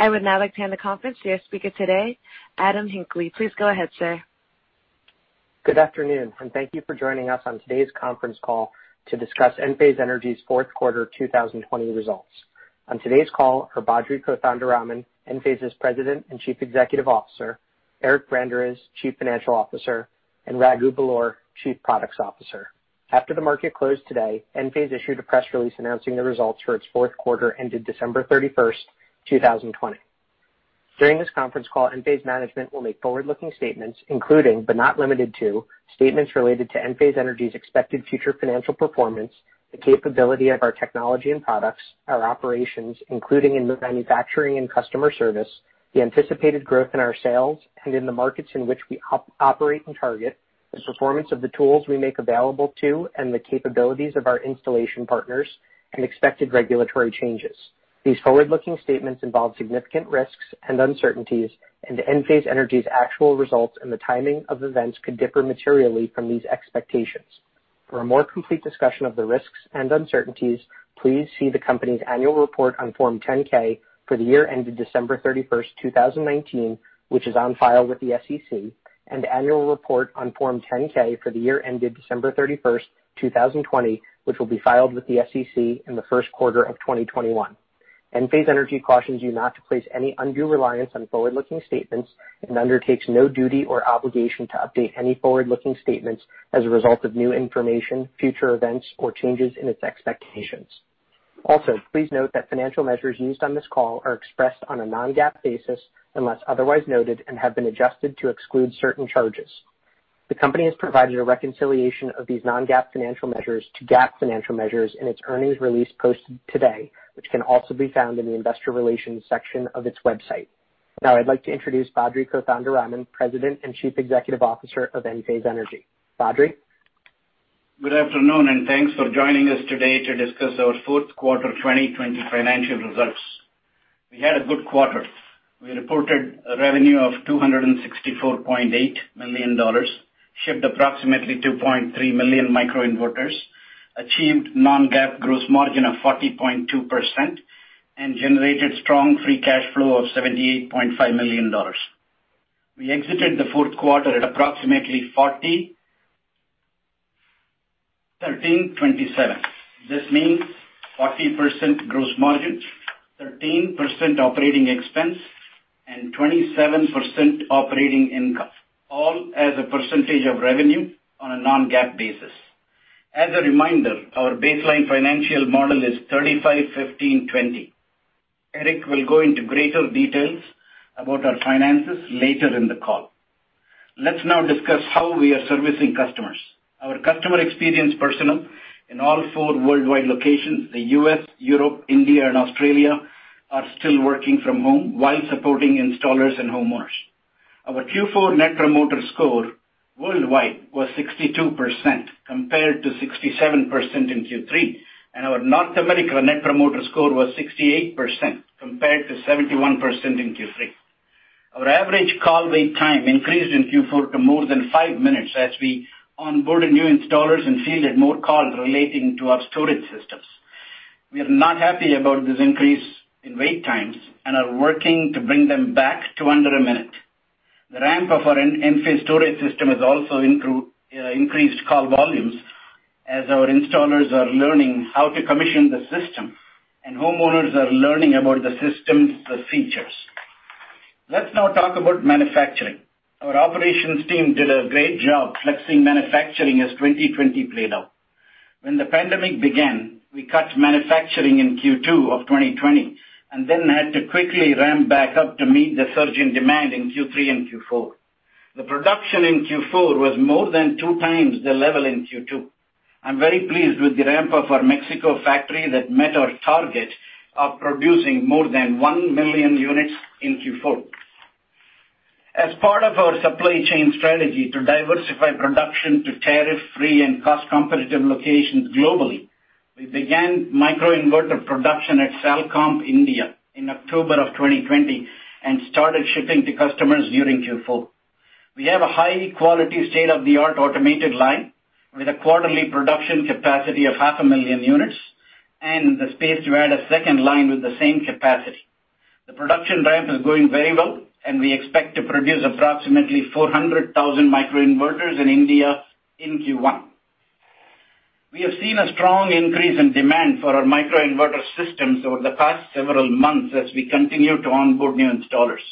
I would now like to hand the conference to your speaker today, Adam Hinckley. Please go ahead, sir. Good afternoon, and thank you for joining us on today's conference call to discuss Enphase Energy's Q4 2020 results. On today's call are Badri Kothandaraman, Enphase's President and Chief Executive Officer, Eric Branderiz, Chief Financial Officer, and Raghu Belur, Chief Products Officer. After the market closed today, Enphase issued a press release announcing the results for its Q4 ended December 31st, 2020. During this conference call, Enphase management will make forward-looking statements including, but not limited to, statements related to Enphase Energy's expected future financial performance, the capability of our technology and products, our operations, including in the manufacturing and customer service, the anticipated growth in our sales and in the markets in which we operate and target, the performance of the tools we make available to and the capabilities of our installation partners, and expected regulatory changes. These forward-looking statements involve significant risks and uncertainties, and Enphase Energy's actual results and the timing of events could differ materially from these expectations. For a more complete discussion of the risks and uncertainties, please see the company's annual report on Form 10-K for the year ended December 31st, 2019, which is on file with the SEC, and annual report on Form 10-K for the year ended December 31st, 2020, which will be filed with the SEC in the Q1 of 2021. Enphase Energy cautions you not to place any undue reliance on forward-looking statements and undertakes no duty or obligation to update any forward-looking statements as a result of new information, future events, or changes in its expectations. Also, please note that financial measures used on this call are expressed on a non-GAAP basis, unless otherwise noted, and have been adjusted to exclude certain charges. The company has provided a reconciliation of these non-GAAP financial measures to GAAP financial measures in its earnings release posted today, which can also be found in the investor relations section of its website. I'd like to introduce Badri Kothandaraman, President and Chief Executive Officer of Enphase Energy. Badri. Good afternoon, thanks for joining us today to discuss our Q4 2020 financial results. We had a good quarter. We reported a revenue of $264.8 million, shipped approximately 2.3 million microinverters, achieved non-GAAP gross margin of 40.2%, and generated strong free cash flow of $78.5 million. We exited the Q4 at approximately 40%/13%/27%. This means 40% gross margin, 13% operating expense, and 27% operating income, all as a percentage of revenue on a non-GAAP basis. As a reminder, our baseline financial model is 35%/15%/20%. Eric will go into greater details about our finances later in the call. Let's now discuss how we are servicing customers. Our customer experience personnel in all four worldwide locations, the U.S., Europe, India, and Australia, are still working from home while supporting installers and homeowners. Our Q4 net promoter score worldwide was 62%, compared to 67% in Q3, and our North America net promoter score was 68%, compared to 71% in Q3. Our average call wait time increased in Q4 to more than five minutes as we onboarded new installers and fielded more calls relating to our storage systems. We are not happy about this increase in wait times and are working to bring them back to under a minute. The ramp of our Enphase storage system has also increased call volumes as our installers are learning how to commission the system and homeowners are learning about the system's features. Let's now talk about manufacturing. Our operations team did a great job flexing manufacturing as 2020 played out. When the pandemic began, we cut manufacturing in Q2 of 2020 and then had to quickly ramp back up to meet the surge in demand in Q3 and Q4. The production in Q4 was more than two times the level in Q2. I'm very pleased with the ramp of our Mexico factory that met our target of producing more than 1 million units in Q4. As part of our supply chain strategy to diversify production to tariff-free and cost-competitive locations globally, we began microinverter production at Salcomp, India in October of 2020 and started shipping to customers during Q4. We have a high-quality, state-of-the-art automated line with a quarterly production capacity of half a million units and the space to add a second line with the same capacity. The production ramp is going very well, and we expect to produce approximately 400,000 microinverters in India in Q1. We have seen a strong increase in demand for our microinverter systems over the past several months as we continue to onboard new installers.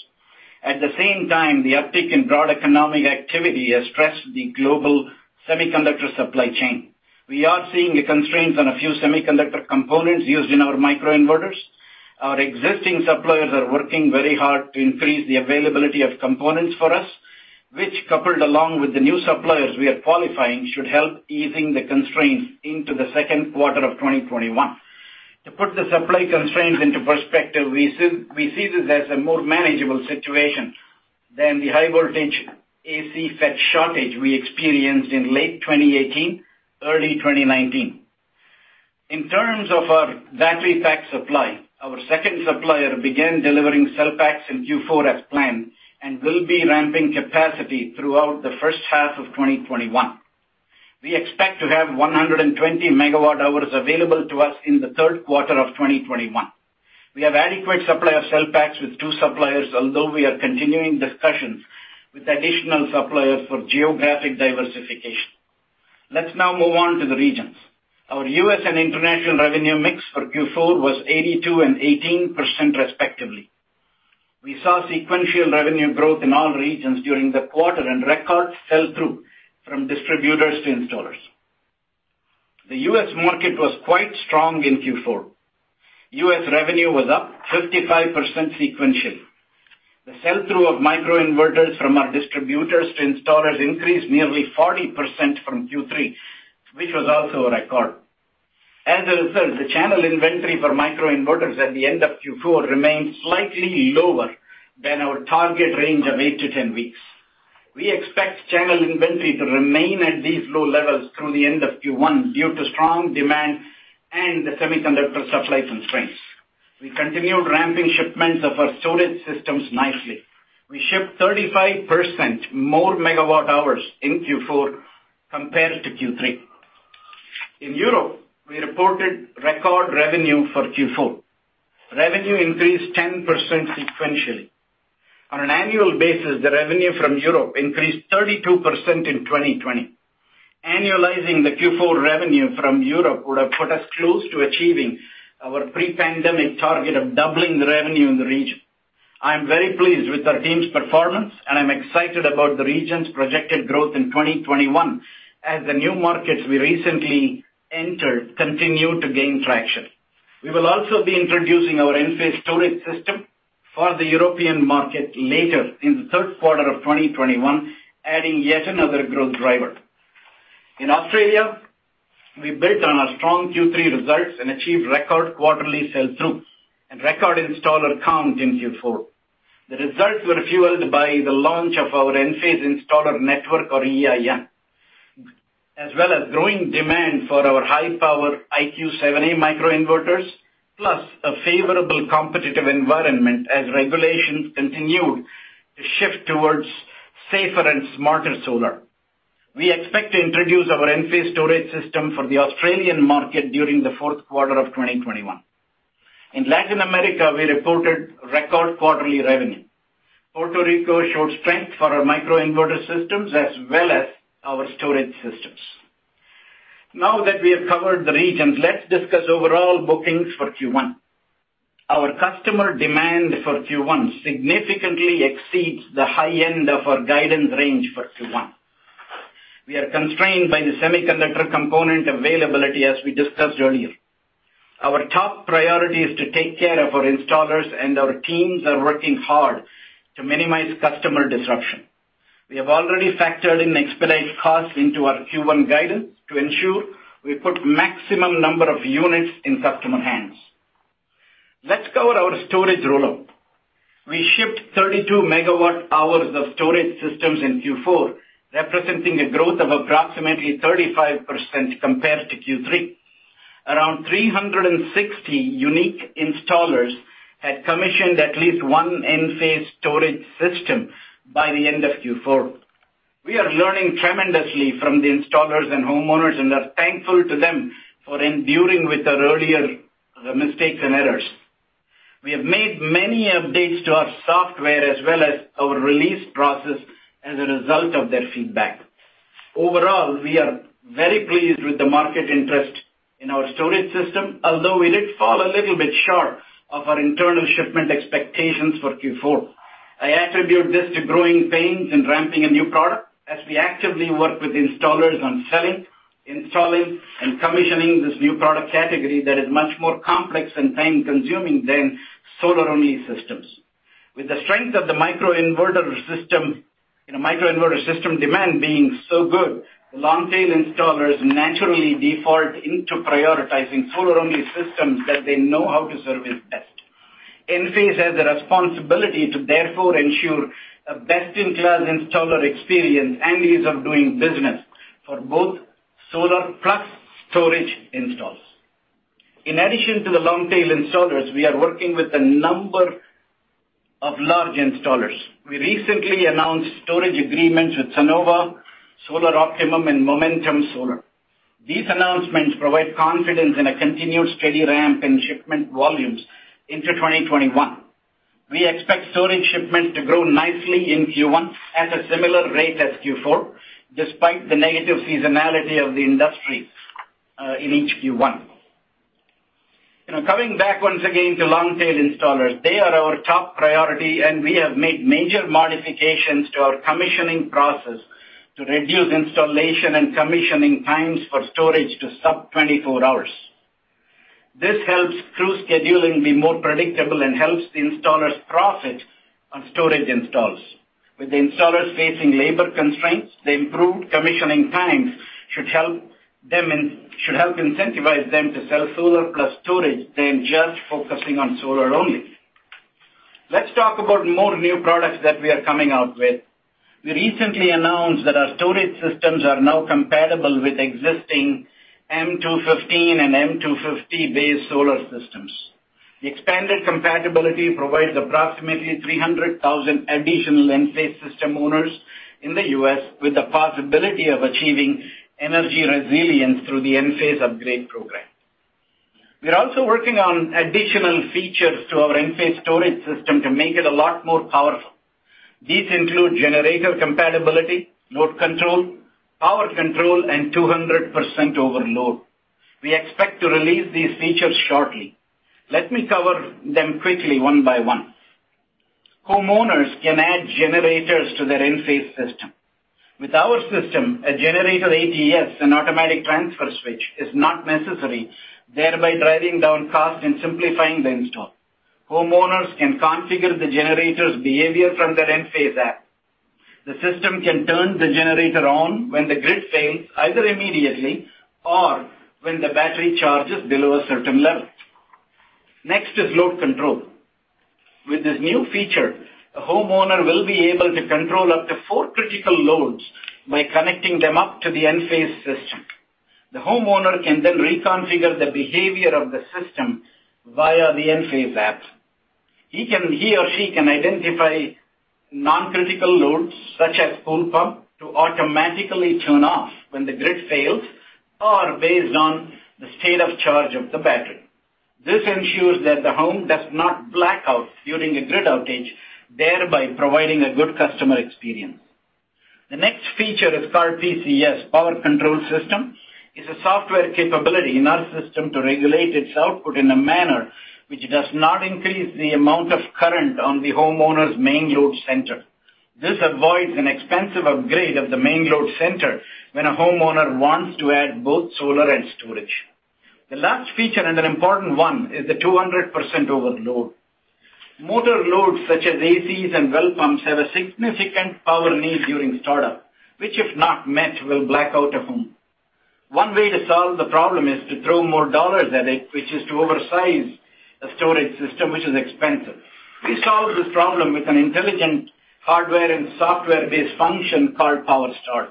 The uptick in broad economic activity has stressed the global semiconductor supply chain. We are seeing constraints on a few semiconductor components used in our microinverters. Our existing suppliers are working very hard to increase the availability of components for us, which, coupled along with the new suppliers we are qualifying, should help easing the constraints into the Q2 of 2021. To put the supply constraints into perspective, we see this as a more manageable situation than the high voltage AC FET shortage we experienced in late 2018, early 2019. In terms of our battery pack supply, our second supplier began delivering cell packs in Q4 as planned and will be ramping capacity throughout the H1 of 2021. We expect to have 120 MWh available to us in the Q3 of 2021. We have adequate supply of cell packs with two suppliers, although we are continuing discussions with additional suppliers for geographic diversification. Let's now move on to the regions. Our US and international revenue mix for Q4 was 82% and 18%, respectively. We saw sequential revenue growth in all regions during the quarter and record sell-through from distributors to installers. The US market was quite strong in Q4. U.S. revenue was up 55% sequentially. The sell-through of microinverters from our distributors to installers increased nearly 40% from Q3, which was also a record. As a result, the channel inventory for microinverters at the end of Q4 remained slightly lower than our target range of 8-10 weeks. We expect channel inventory to remain at these low levels through the end of Q1 due to strong demand and the semiconductor supply constraints. We continued ramping shipments of our storage systems nicely. We shipped 35% more MWh in Q4 compared to Q3. In Europe, we reported record revenue for Q4. Revenue increased 10% sequentially. On an annual basis, the revenue from Europe increased 32% in 2020. Annualizing the Q4 revenue from Europe would have put us close to achieving our pre-pandemic target of doubling the revenue in the region. I am very pleased with our team's performance, and I'm excited about the region's projected growth in 2021 as the new markets we recently entered continue to gain traction. We will also be introducing our Enphase storage system for the European market later in the Q3 of 2021, adding yet another growth driver. In Australia, we built on our strong Q3 results and achieved record quarterly sell-through and record installer count in Q4. The results were fueled by the launch of our Enphase Installer Network, or EIN, as well as growing demand for our high-power IQ7A microinverters, plus a favorable competitive environment as regulations continued to shift towards safer and smarter solar. We expect to introduce our Enphase storage system for the Australian market during the Q4 of 2021. In Latin America, we reported record quarterly revenue. Puerto Rico showed strength for our microinverter systems as well as our storage systems. Now that we have covered the regions, let's discuss overall bookings for Q1. Our customer demand for Q1 significantly exceeds the high end of our guidance range for Q1. We are constrained by the semiconductor component availability, as we discussed earlier. Our top priority is to take care of our installers, and our teams are working hard to minimize customer disruption. We have already factored in expedited costs into our Q1 guidance to ensure we put maximum number of units in customer hands. Let's cover our storage roll-up. We shipped 32 MWh of storage systems in Q4, representing a growth of approximately 35% compared to Q3. Around 360 unique installers had commissioned at least one Enphase storage system by the end of Q4. We are learning tremendously from the installers and homeowners and are thankful to them for enduring with our earlier mistakes and errors. We have made many updates to our software as well as our release process as a result of their feedback. Overall, we are very pleased with the market interest in our storage system, although we did fall a little bit short of our internal shipment expectations for Q4. I attribute this to growing pains and ramping a new product as we actively work with installers on selling, installing, and commissioning this new product category that is much more complex and time-consuming than solar-only systems. With the strength of the microinverter system demand being so good, the long-tail installers naturally default into prioritizing solar-only systems that they know how to service best. Enphase has a responsibility to therefore ensure a best-in-class installer experience and ease of doing business for both solar plus storage installs. In addition to the long-tail installers, we are working with a number of large installers. We recently announced storage agreements with Sunnova, Solar Optimum, and Momentum Solar. These announcements provide confidence in a continued steady ramp in shipment volumes into 2021. We expect storage shipments to grow nicely in Q1 at a similar rate as Q4, despite the negative seasonality of the industry, in each Q1. Coming back once again to long-tail installers, they are our top priority, and we have made major modifications to our commissioning process to reduce installation and commissioning times for storage to sub 24 hours. This helps crew scheduling be more predictable and helps the installers' profit on storage installs. With the installers facing labor constraints, the improved commissioning times should help incentivize them to sell solar plus storage than just focusing on solar only. Let's talk about more new products that we are coming out with. We recently announced that our storage systems are now compatible with existing M215 and M250-based solar systems. The expanded compatibility provides approximately 300,000 additional Enphase system owners in the U.S. with the possibility of achieving energy resilience through the Enphase Upgrade Program. We are also working on additional features to our Enphase storage system to make it a lot more powerful. These include generator compatibility, load control, power control, and 200% overload. We expect to release these features shortly. Let me cover them quickly one by one. Homeowners can add generators to their Enphase system. With our system, a generator ATS, an automatic transfer switch, is not necessary, thereby driving down cost and simplifying the install. Homeowners can configure the generator's behavior from their Enphase app. The system can turn the generator on when the grid fails, either immediately or when the battery charge is below a certain level. Next is load control. With this new feature, a homeowner will be able to control up to four critical loads by connecting them up to the Enphase system. The homeowner can reconfigure the behavior of the system via the Enphase app. He or she can identify non-critical loads, such as pool pump, to automatically turn off when the grid fails or based on the state of charge of the battery. This ensures that the home does not black out during a grid outage, thereby providing a good customer experience. The next feature is called PCS, Power Control System. It's a software capability in our system to regulate its output in a manner which does not increase the amount of current on the homeowner's main load center. This avoids an expensive upgrade of the main load center when a homeowner wants to add both solar and storage. The last feature, and an important one, is the 200% overload. Motor loads such as ACs and well pumps have a significant power need during startup, which if not met, will black out a home. One way to solve the problem is to throw more dollars at it, which is to oversize a storage system, which is expensive. We solve this problem with an intelligent hardware and software-based function called Power Start.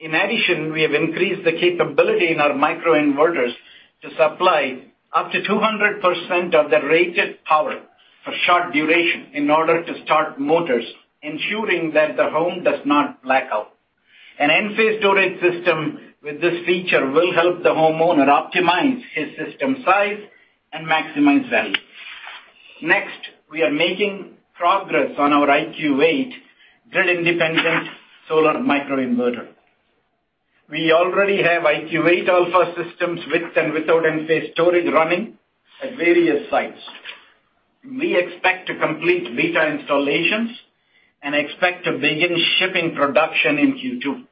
In addition, we have increased the capability in our microinverters to supply up to 200% of the rated power for short duration in order to start motors, ensuring that the home does not black out. An Enphase storage system with this feature will help the homeowner optimize his system size and maximize value. Next, we are making progress on our IQ8 grid-independent solar microinverter. We already have IQ8 alpha systems with and without Enphase storage running at various sites. We expect to complete beta installations and expect to begin shipping production in Q2.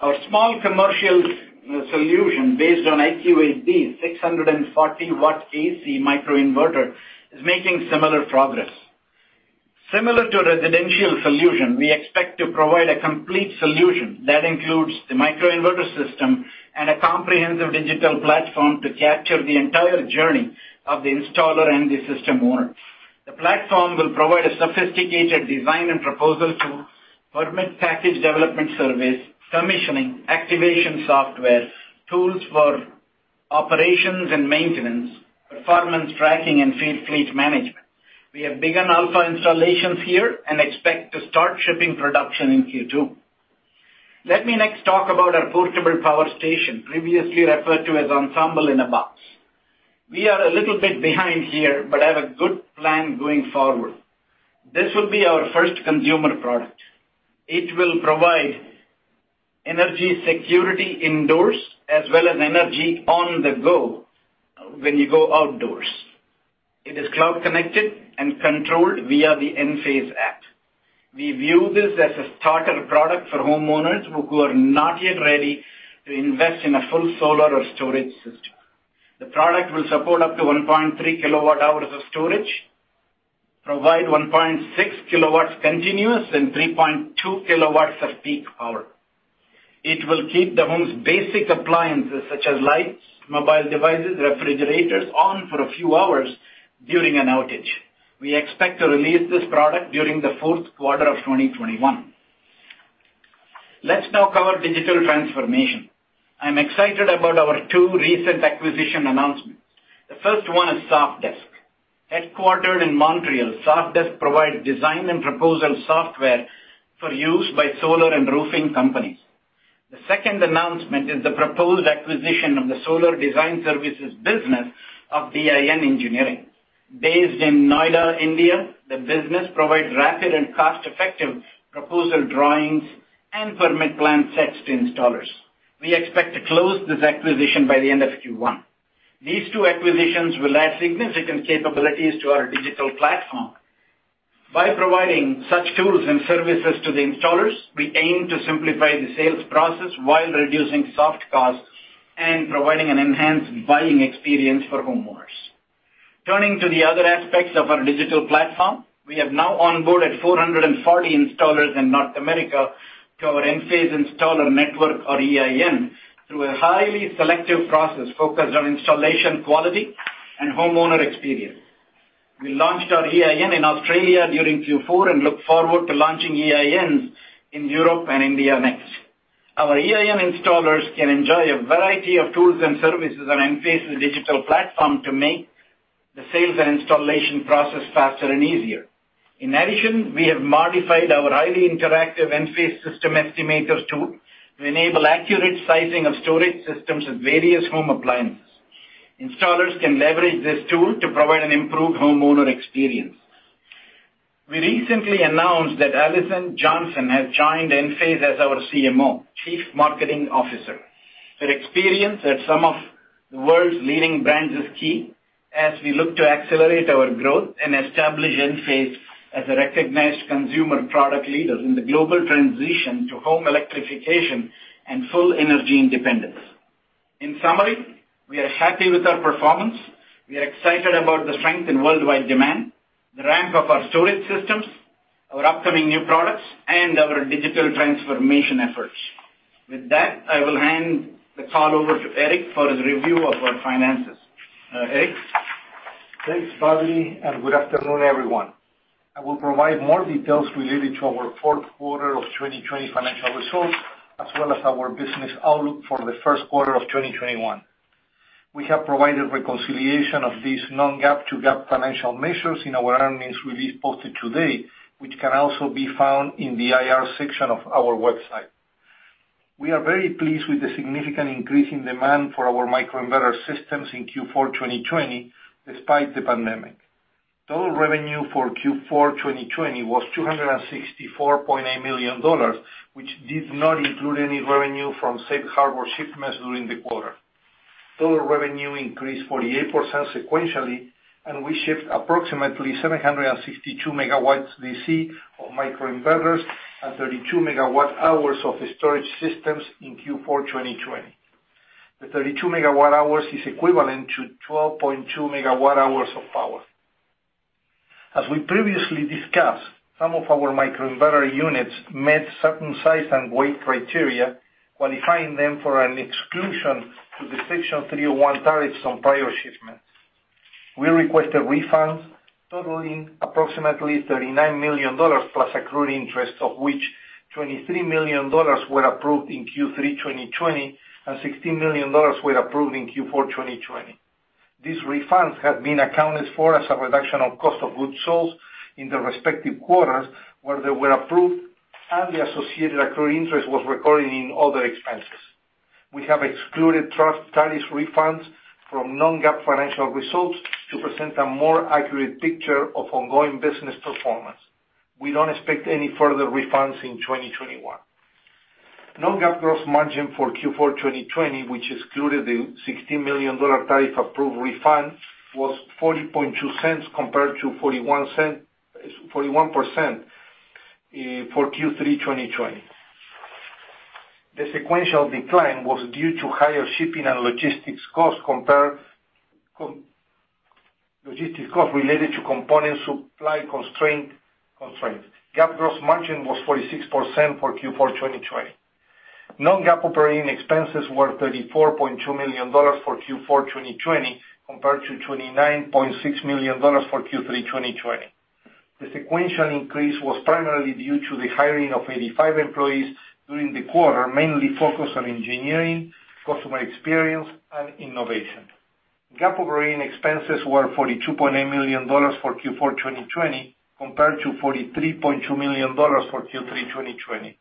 Our small commercial solution, based on IQ8D 640-W AC microinverter, is making similar progress. Similar to residential solution, we expect to provide a complete solution that includes the microinverter system and a comprehensive digital platform to capture the entire journey of the installer and the system owner. The platform will provide a sophisticated design and proposal tool, permit package development service, commissioning, activation software, tools for operations and maintenance, performance tracking, and fleet management. We have begun alpha installations here and expect to start shipping production in Q2. Let me next talk about our portable power station, previously referred to as Ensemble in a Box. We are a little bit behind here, but have a good plan going forward. This will be our first consumer product. It will provide energy security indoors as well as energy on the go when you go outdoors. It is cloud connected and controlled via the Enphase app. We view this as a starter product for homeowners who are not yet ready to invest in a full solar or storage system. The product will support up to 1.3 kWh of storage, provide 1.6 kW continuous, and 3.2 kW of peak power. It will keep the home's basic appliances such as lights, mobile devices, refrigerators on for a few hours during an outage. We expect to release this product during the Q4 of 2021. Let's now cover digital transformation. I'm excited about our two recent acquisition announcements. The first one is Sofdesk. Headquartered in Montreal, Sofdesk provides design and proposal software for use by solar and roofing companies. The second announcement is the proposed acquisition of the solar design services business of DIN Engineering. Based in Noida, India, the business provides rapid and cost-effective proposal drawings and permit plan FETs to installers. We expect to close this acquisition by the end of Q1. These two acquisitions will add significant capabilities to our digital platform. By providing such tools and services to the installers, we aim to simplify the sales process while reducing soft costs and providing an enhanced buying experience for homeowners. Turning to the other aspects of our digital platform, we have now onboarded 440 installers in North America to our Enphase Installer Network, or EIN, through a highly selective process focused on installation quality and homeowner experience. We launched our EIN in Australia during Q4 and look forward to launching EINs in Europe and India next. Our EIN installers can enjoy a variety of tools and services on Enphase's digital platform to make the sales and installation process faster and easier. We have modified our highly interactive Enphase system estimators tool to enable accurate sizing of storage systems with various home appliances. Installers can leverage this tool to provide an improved homeowner experience. We recently announced that Allison Johnson has joined Enphase as our CMO, Chief Marketing Officer. Her experience at some of the world's leading brands is key as we look to accelerate our growth and establish Enphase as a recognized consumer product leader in the global transition to home electrification and full energy independence. We are happy with our performance. We are excited about the strength in worldwide demand, the ramp of our storage systems, our upcoming new products, and our digital transformation efforts. With that, I will hand the call over to Eric for his review of our finances. Eric? Thanks, Badri. Good afternoon, everyone. I will provide more details related to our Q4 of 2020 financial results, as well as our business outlook for the Q1 of 2021. We have provided reconciliation of these non-GAAP to GAAP financial measures in our earnings release posted today, which can also be found in the IR section of our website. We are very pleased with the significant increase in demand for our microinverter systems in Q4 2020, despite the pandemic. Total revenue for Q4 2020 was $264.8 million, which did not include any revenue from safe harbor shipments during the quarter. Total revenue increased 48% sequentially, and we shipped approximately 762 MW DC of microinverters and 32 MWh of storage systems in Q4 2020. The 32 MWh is equivalent to 12.2 MWh of power. As we previously discussed, some of our microinverter units met certain size and weight criteria, qualifying them for an exclusion to the Section 301 tariffs on prior shipments. We requested refunds totaling approximately $39 million plus accrued interest, of which $23 million were approved in Q3 2020 and $16 million were approved in Q4 2020. These refunds have been accounted for as a reduction of cost of goods sold in the respective quarters where they were approved and the associated accrued interest was recorded in other expenses. We have excluded past tariffs refunds from non-GAAP financial results to present a more accurate picture of ongoing business performance. We don't expect any further refunds in 2021. Non-GAAP gross margin for Q4 2020, which excluded the $16 million tariff approved refund, was 40.2% compared to 41% for Q3 2020. The sequential decline was due to higher shipping and logistics costs related to component supply constraints. GAAP gross margin was 46% for Q4 2020. Non-GAAP operating expenses were $34.2 million for Q4 2020 compared to $29.6 million for Q3 2020. The sequential increase was primarily due to the hiring of 85 employees during the quarter, mainly focused on engineering, customer experience, and innovation. GAAP operating expenses were $42.8 million for Q4 2020 compared to $43.2 million for Q3 2020.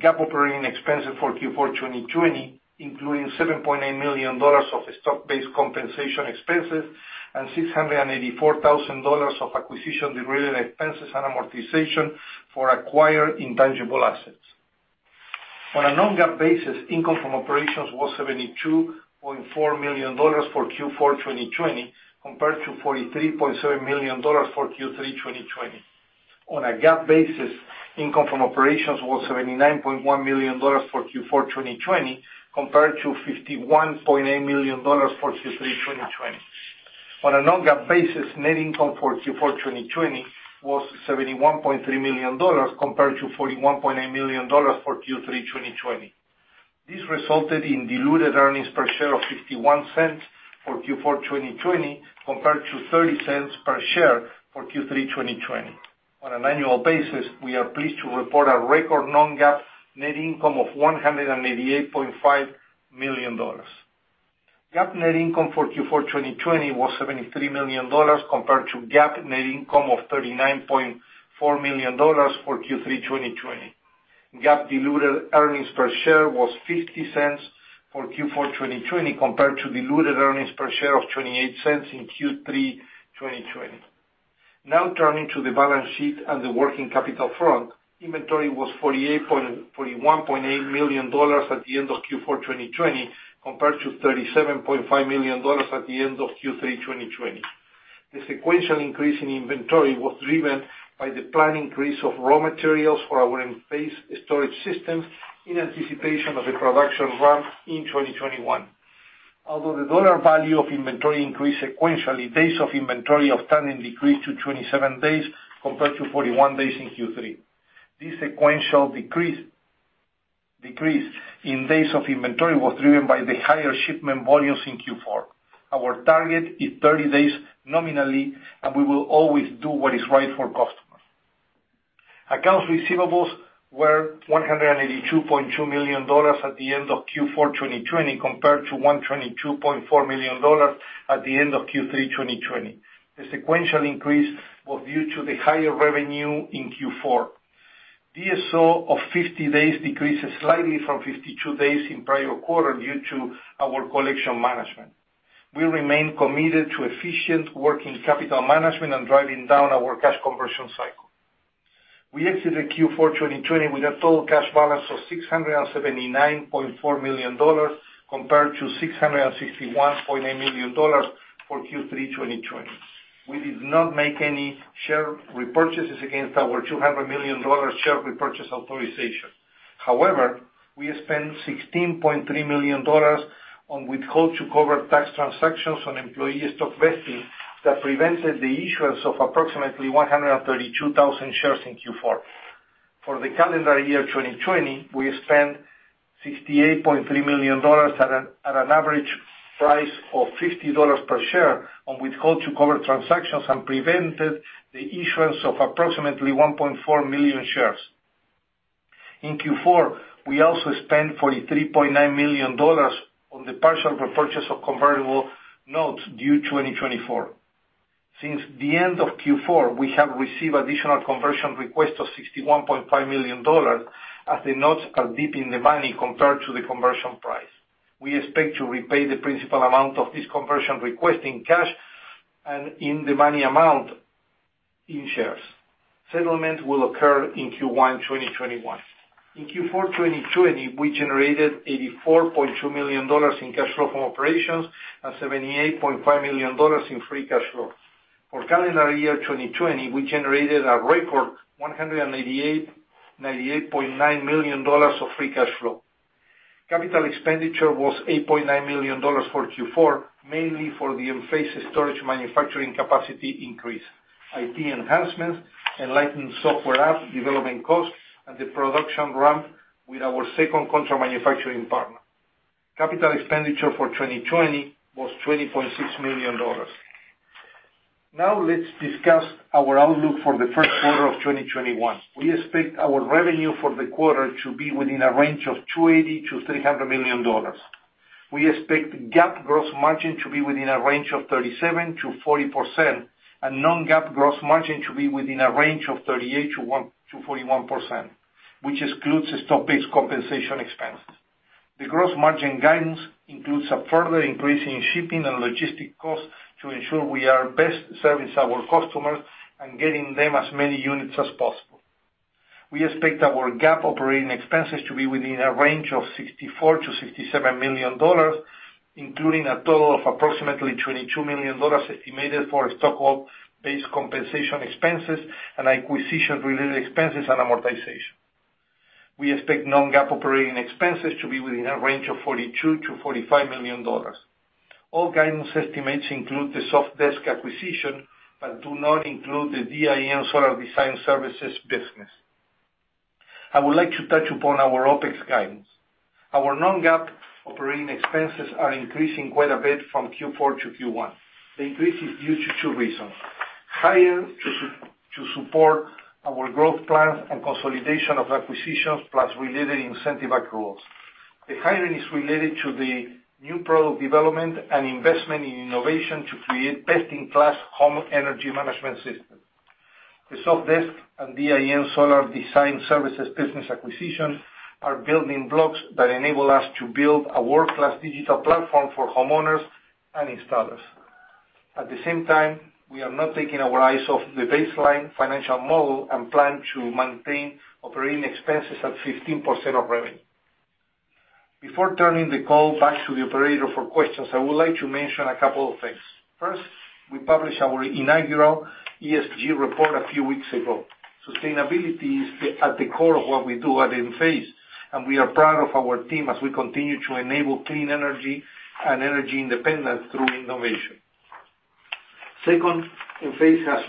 GAAP operating expenses for Q4 2020 including $7.8 million of stock-based compensation expenses and $684,000 of acquisition-related expenses and amortization for acquired intangible assets. On a non-GAAP basis, income from operations was $72.4 million for Q4 2020 compared to $43.7 million for Q3 2020. On a GAAP basis, income from operations was $79.1 million for Q4 2020 compared to $51.8 million for Q3 2020. On a non-GAAP basis, net income for Q4 2020 was $71.3 million compared to $41.8 million for Q3 2020. This resulted in diluted earnings per share of $0.51 for Q4 2020 compared to $0.30 per share for Q3 2020. On an annual basis, we are pleased to report a record non-GAAP net income of $188.5 million. GAAP net income for Q4 2020 was $73 million compared to GAAP net income of $39.4 million for Q3 2020. GAAP diluted earnings per share was $0.50 for Q4 2020 compared to diluted earnings per share of $0.28 in Q3 2020. Now turning to the balance sheet and the working capital front, inventory was $41.8 million at the end of Q4 2020 compared to $37.5 million at the end of Q3 2020. The sequential increase in inventory was driven by the planned increase of raw materials for our Enphase storage systems in anticipation of the production ramp in 2021. Although the dollar value of inventory increased sequentially, days of inventory of ton decreased to 27 days compared to 41 days in Q3. This sequential decrease in days of inventory was driven by the higher shipment volumes in Q4. Our target is 30 days nominally, and we will always do what is right for customers. Accounts receivables were $182.2 million at the end of Q4 2020 compared to $122.4 million at the end of Q3 2020. The sequential increase was due to the higher revenue in Q4. DSO of 50 days decreased slightly from 52 days in prior quarter due to our collection management. We remain committed to efficient working capital management and driving down our cash conversion cycle. We exited Q4 2020 with a total cash balance of $679.4 million compared to $661.8 million for Q3 2020. We did not make any share repurchases against our $200 million share repurchase authorization. We spent $16.3 million on withhold-to-cover tax transactions on employee stock vesting that prevented the issuance of approximately 132,000 shares in Q4. For the calendar year 2020, we spent $68.3 million at an average price of $50 per share on withhold-to-cover transactions and prevented the issuance of approximately 1.4 million shares. In Q4, we also spent $43.9 million on the partial repurchase of convertible notes due 2024. Since the end of Q4, we have received additional conversion requests of $61.5 million as the notes are deep in-the-money compared to the conversion price. We expect to repay the principal amount of this conversion request in cash and in-the-money amount in shares. Settlement will occur in Q1 2021. In Q4 2020, we generated $84.2 million in cash flow from operations and $78.5 million in free cash flow. For calendar year 2020, we generated a record $188.9 million of free cash flow. Capital expenditure was $8.9 million for Q4, mainly for the Enphase storage manufacturing capacity increase, IT enhancements, Enlighten software app development costs, and the production ramp with our second contract manufacturing partner. Capital expenditure for 2020 was $20.6 million. Let's discuss our outlook for the Q1 of 2021. We expect our revenue for the quarter to be within a range of $280 million-$300 million. We expect GAAP gross margin to be within a range of 37%-40% and non-GAAP gross margin to be within a range of 38%-41%, which excludes stock-based compensation expenses. The gross margin guidance includes a further increase in shipping and logistic costs to ensure we are best servicing our customers and getting them as many units as possible. We expect our GAAP operating expenses to be within a range of $64 million-$67 million, including a total of approximately $22 million estimated for stock-based compensation expenses and acquisition-related expenses and amortization. We expect non-GAAP operating expenses to be within a range of $42 million-$45 million. All guidance estimates include the Sofdesk acquisition but do not include the DIN Solar design services business. I would like to touch upon our OpEx guidance. Our non-GAAP operating expenses are increasing quite a bit from Q4 to Q1. The increase is due to two reasons. Hire to support our growth plans and consolidation of acquisitions, plus related incentive accruals. The hiring is related to the new product development and investment in innovation to create best-in-class home energy management systems. The Sofdesk and DIN Solar design services business acquisition are building blocks that enable us to build a world-class digital platform for homeowners and installers. At the same time, we are not taking our eyes off the baseline financial model and plan to maintain operating expenses at 15% of revenue. Before turning the call back to the operator for questions, I would like to mention a couple of things. First, we published our inaugural ESG report a few weeks ago. Sustainability is at the core of what we do at Enphase, and we are proud of our team as we continue to enable clean energy and energy independence through innovation. Second, Enphase has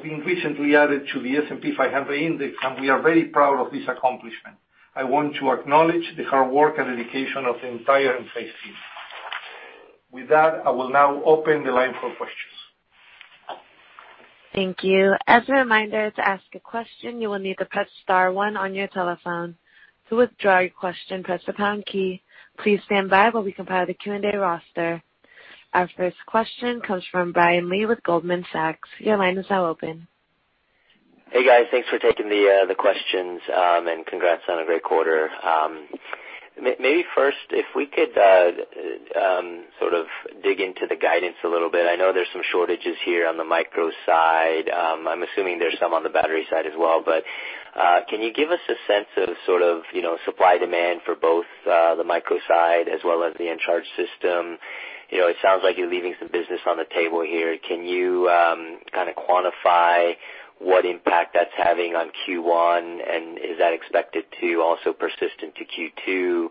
been recently added to the S&P 500 Index, and we are very proud of this accomplishment. I want to acknowledge the hard work and dedication of the entire Enphase team. With that, I will now open the line for questions. Thank you. As a reminder, to ask a question, you will need to press star one on your telephone. To withdraw your question, press the pound key. Please stand by while we compile the Q&A roster. Our first question comes from Brian Lee with Goldman Sachs. Your line is now open. Hey, guys. Thanks for taking the questions, and congrats on a great quarter. Maybe first, if we could sort of dig into the guidance a little bit. I know there's some shortages here on the micro side. I'm assuming there's some on the battery side as well, but can you give us a sense of sort of supply-demand for both the micro side as well as the Encharge system? It sounds like you're leaving some business on the table here. Can you kind of quantify what impact that's having on Q1, and is that expected to also persist to Q2?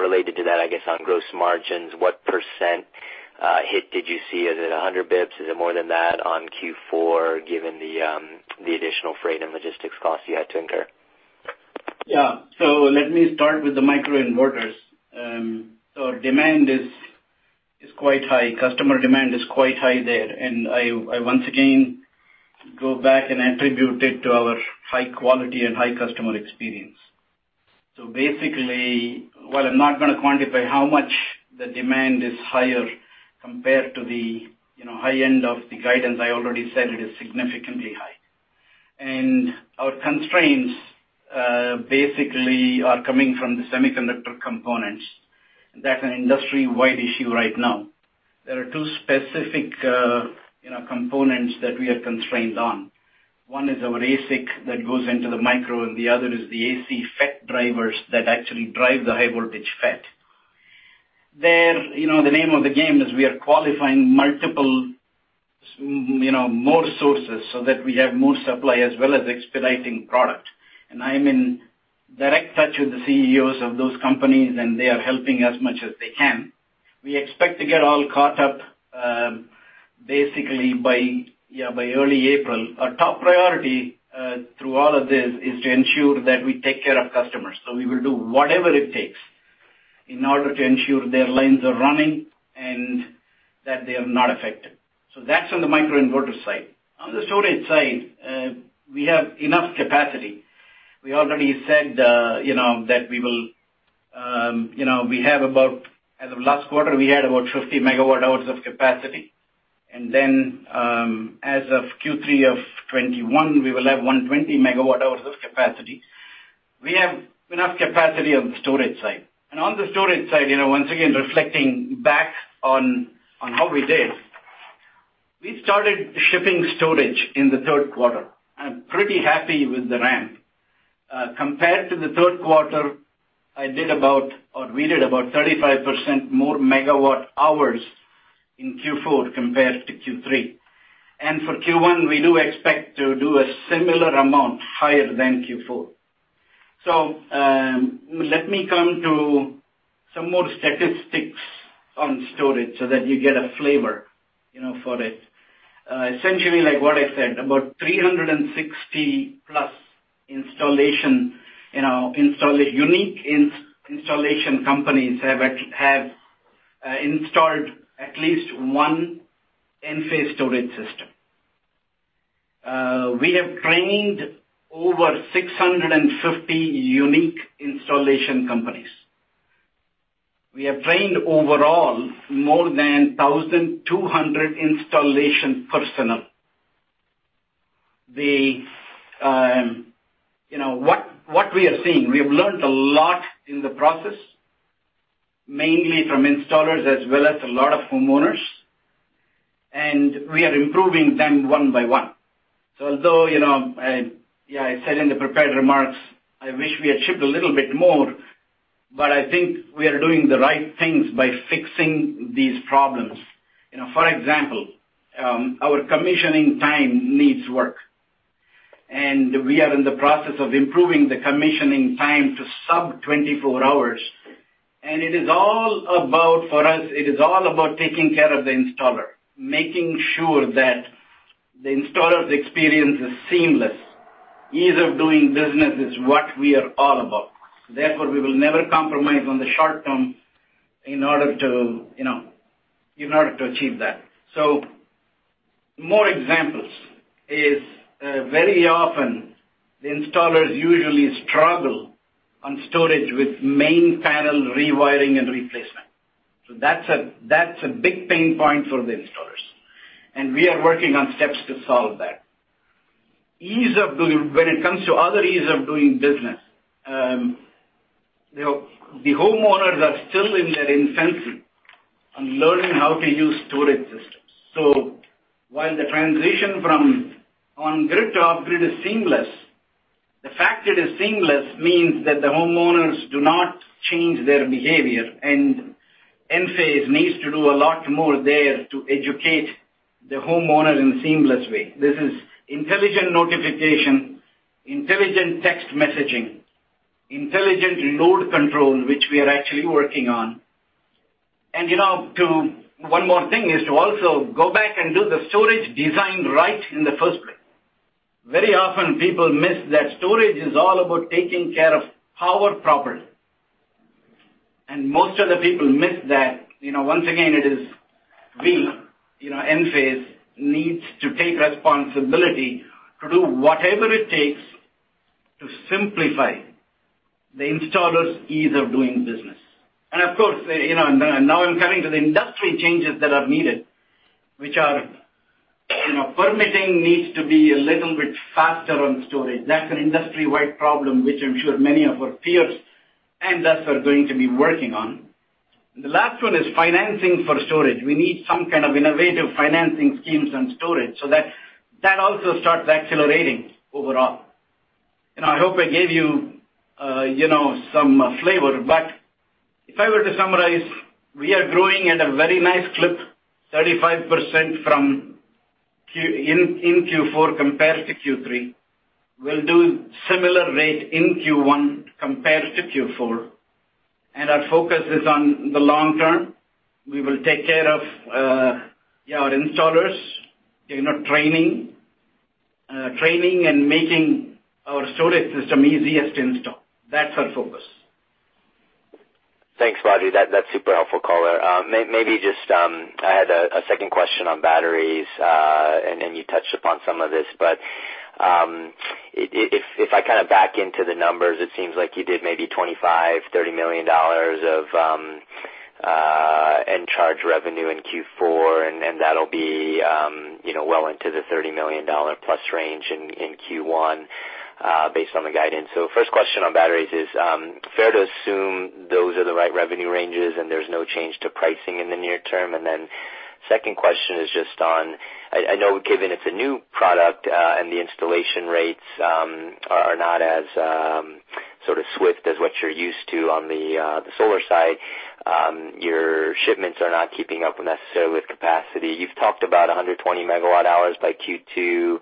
Related to that, I guess on gross margins, what % hit did you see? Is it 100 basis points? Is it more than that on Q4, given the additional freight and logistics costs you had to incur? Yeah. Let me start with the microinverters. Demand is quite high. Customer demand is quite high there, and I once again go back and attribute it to our high quality and high customer experience. Basically, while I'm not going to quantify how much the demand is higher compared to the high end of the guidance, I already said it is significantly high. Our constraints basically are coming from the semiconductor components. That's an industry-wide issue right now. There are two specific components that we are constrained on. One is our ASIC that goes into the micro, and the other is the AC FET drivers that actually drive the high voltage FET. There, the name of the game is we are qualifying multiple more sources so that we have more supply as well as expediting product. I am in direct touch with the CEOs of those companies, and they are helping as much as they can. We expect to get all caught up basically by early April. Our top priority through all of this is to ensure that we take care of customers. We will do whatever it takes in order to ensure their lines are running and that they are not affected. That's on the microinverter side. On the storage side, we have enough capacity. We already said that as of last quarter, we had about 50 MWh of capacity, and then as of Q3 of 2021, we will have 120 MWh of capacity. We have enough capacity on the storage side. On the storage side, once again, reflecting back on how we did, we started shipping storage in the Q3. I'm pretty happy with the ramp. Compared to the Q3, we did about 35% more MWh in Q4 compared to Q3. For Q1, we do expect to do a similar amount higher than Q4. Let me come to some more statistics on storage so that you get a flavor for it. Essentially, like what I said, about 360-plus unique installation companies have installed at least one Enphase storage system. We have trained over 650 unique installation companies. We have trained overall more than 1,200 installation personnel. What we are seeing, we have learned a lot in the process, mainly from installers as well as a lot of homeowners, and we are improving them one by one. Although, I said in the prepared remarks, I wish we had shipped a little bit more, I think we are doing the right things by fixing these problems. For example, our commissioning time needs work, and we are in the process of improving the commissioning time to sub 24 hours. For us, it is all about taking care of the installer, making sure that the installer's experience is seamless. Ease of doing business is what we are all about. Therefore, we will never compromise on the short-term in order to achieve that. More examples is, very often, the installers usually struggle on storage with main panel rewiring and replacement. That's a big pain point for the installers, and we are working on steps to solve that. When it comes to other ease of doing business, the homeowners are still in their infancy on learning how to use storage systems. While the transition from on-grid to off-grid is seamless, the fact it is seamless means that the homeowners do not change their behavior, and Enphase needs to do a lot more there to educate the homeowner in a seamless way. This is intelligent notification, intelligent text messaging, intelligent load control, which we are actually working on. One more thing is to also go back and do the storage design right in the first place. Very often, people miss that storage is all about taking care of power properly. Most of the people miss that. Once again, it is we, Enphase, needs to take responsibility to do whatever it takes to simplify the installer's ease of doing business. Of course, now I'm coming to the industry changes that are needed. Permitting needs to be a little bit faster on storage. That's an industry-wide problem, which I'm sure many of our peers and us are going to be working on. The last one is financing for storage. We need some kind of innovative financing schemes on storage so that that also starts accelerating overall. I hope I gave you some flavor. If I were to summarize, we are growing at a very nice clip, 35% in Q4 compared to Q3. We'll do similar rate in Q1 compared to Q4, and our focus is on the long term. We will take care of our installers, training, and making our storage system easiest install. That's our focus. Thanks, Badri. That's super helpful color. Maybe just, I had a second question on batteries. You touched upon some of this, but if I kind of back into the numbers, it seems like you did maybe $25 million-$30 million of Encharge revenue in Q4, and that'll be well into the $30 million+ range in Q1, based on the guidance. First question on batteries is, fair to assume those are the right revenue ranges and there's no change to pricing in the near term? Second question is just on, I know given it's a new product, and the installation rates are not as sort of swift as what you're used to on the solar side. Your shipments are not keeping up necessarily with capacity. You've talked about 120 MWh by Q2,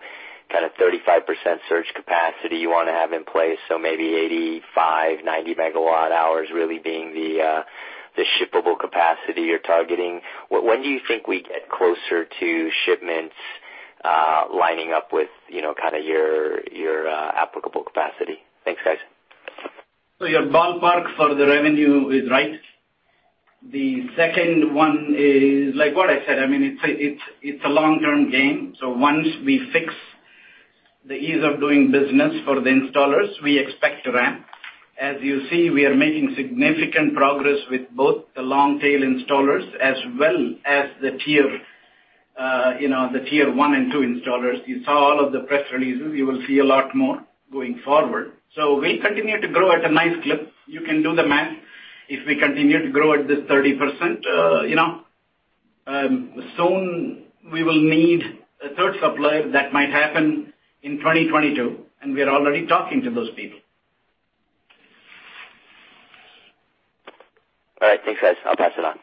kind of 35% surge capacity you want to have in place. Maybe 85, 90 MWh really being the shippable capacity you're targeting. When do you think we get closer to shipments lining up with your applicable capacity? Thanks, guys. Your ballpark for the revenue is right. The second one is like what I said, it's a long-term game. Once we fix the ease of doing business for the installers, we expect to ramp. As you see, we are making significant progress with both the long-tail installers as well as the Tier 1 and 2 installers. You saw all of the press releases. You will see a lot more going forward. We'll continue to grow at a nice clip. You can do the math. If we continue to grow at this 30%, soon we will need a third supplier. That might happen in 2022, and we are already talking to those people. All right. Thanks, guys. I'll pass it on.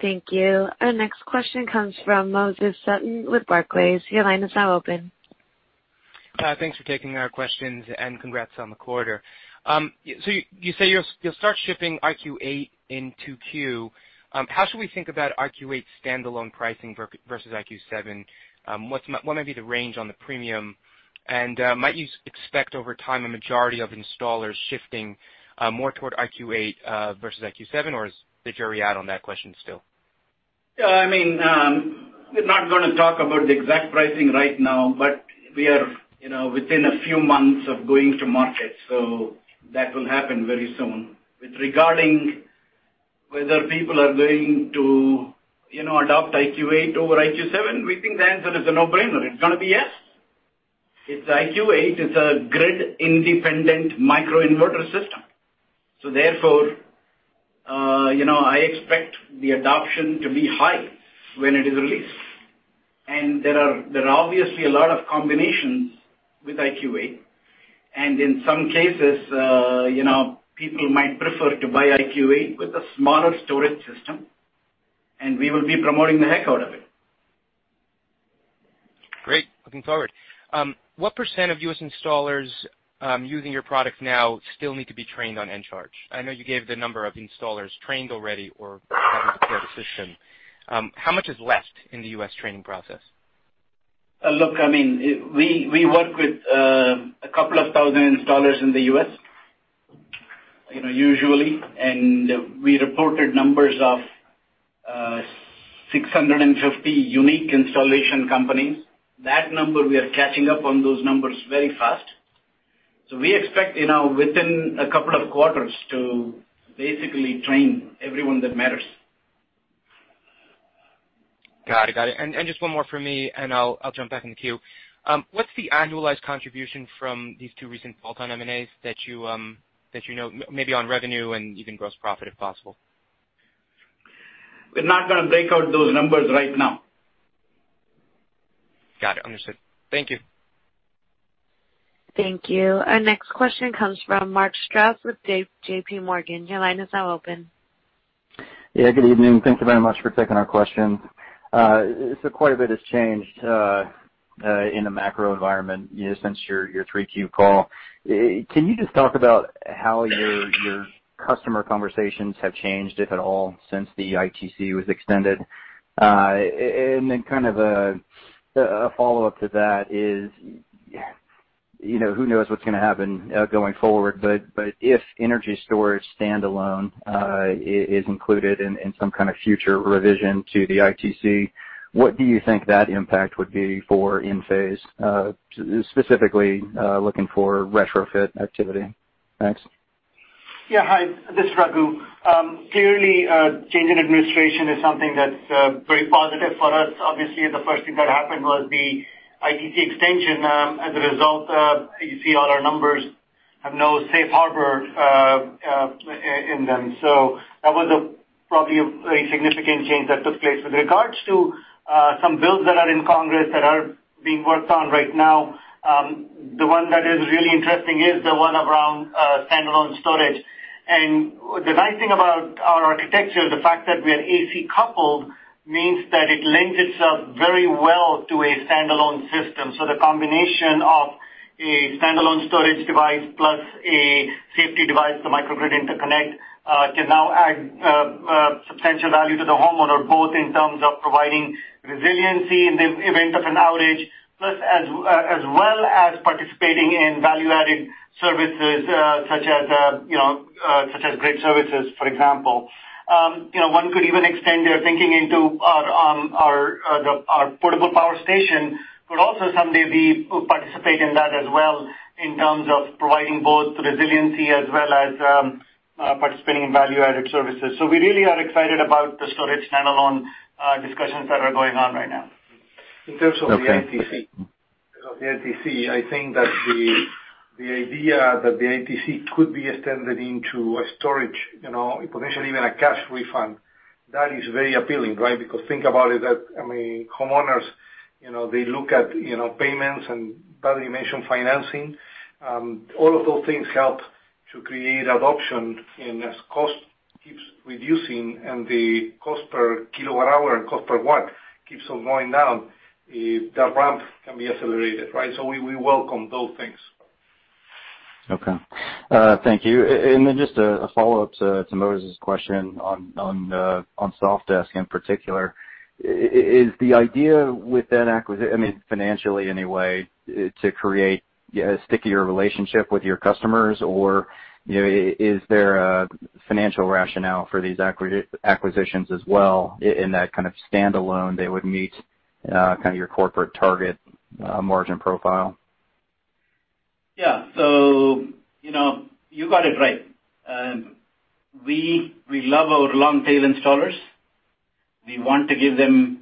Thank you. Our next question comes from Moses Sutton with Barclays. Your line is now open. Thanks for taking our questions. Congrats on the quarter. You say you'll start shipping IQ8 in 2Q. How should we think about IQ8 standalone pricing versus IQ7? What might be the range on the premium? Might you expect over time a majority of installers shifting more toward IQ8 versus IQ7, or is the jury out on that question still? We're not going to talk about the exact pricing right now, but we are within a few months of going to market. That will happen very soon. With regarding whether people are going to adopt IQ8 over IQ7, we think the answer is a no-brainer. It's going to be yes. IQ8 is a grid-independent microinverter system. Therefore, I expect the adoption to be high when it is released. There are obviously a lot of combinations with IQ8, and in some cases, people might prefer to buy IQ8 with a smaller storage system, and we will be promoting the heck out of it. Great. Looking forward. What percent of U.S. installers using your product now still need to be trained on Encharge? I know you gave the number of installers trained already or having deployed the system. How much is left in the U.S. training process? Look, we work with 2,000 installers in the U.S., usually. We reported numbers of 650 unique installation companies. That number, we are catching up on those numbers very fast. We expect within a couple of quarters to basically train everyone that matters. Got it. Just one more from me, and I'll jump back in the queue. What's the annualized contribution from these two recent bolt-on M&As that you know, maybe on revenue and even gross profit, if possible? We're not going to break out those numbers right now. Got it. Understood. Thank you. Thank you. Our next question comes from Mark Strouse with J.P. Morgan. Your line is now open. Yeah, good evening. Thank you very much for taking our question. Quite a bit has changed in the macro environment since your Q3 call. Can you just talk about how your customer conversations have changed, if at all, since the ITC was extended? Then kind of a follow-up to that is, who knows what's going to happen going forward, but if energy storage standalone is included in some kind of future revision to the ITC, what do you think that impact would be for Enphase, specifically looking for retrofit activity? Thanks. Yeah. Hi, this is Raghu. Clearly, change in administration is something that's very positive for us. Obviously, the first thing that happened was the ITC extension. As a result, you see all our numbers. Have no safe harbor in them. That was probably a very significant change that took place. With regards to some bills that are in Congress that are being worked on right now, the one that is really interesting is the one around standalone storage. The nice thing about our architecture, the fact that we are AC-coupled, means that it lends itself very well to a standalone system. The combination of a standalone storage device plus a safety device, the Microgrid Interconnect, can now add substantial value to the homeowner, both in terms of providing resiliency in the event of an outage, plus as well as participating in value-added services such as grid services, for example. One could even extend their thinking into our portable power station could also someday participate in that as well, in terms of providing both resiliency as well as participating in value-added services. We really are excited about the storage standalone discussions that are going on right now. In terms of the ITC, I think that the idea that the ITC could be extended into a storage, potentially even a cash refund, that is very appealing, right? Think about it, homeowners, they look at payments, and Badri mentioned financing. All of those things help to create adoption, and as cost keeps reducing and the cost per kWh and cost per W keeps on going down, that ramp can be accelerated, right? We welcome those things. Okay. Thank you. Just a follow-up to Moses' question on Sofdesk in particular. Is the idea with that acquisition, financially anyway, to create a stickier relationship with your customers? Is there a financial rationale for these acquisitions as well in that kind of standalone, they would meet your corporate target margin profile? Yeah. You got it right. We love our long-tail installers. We want to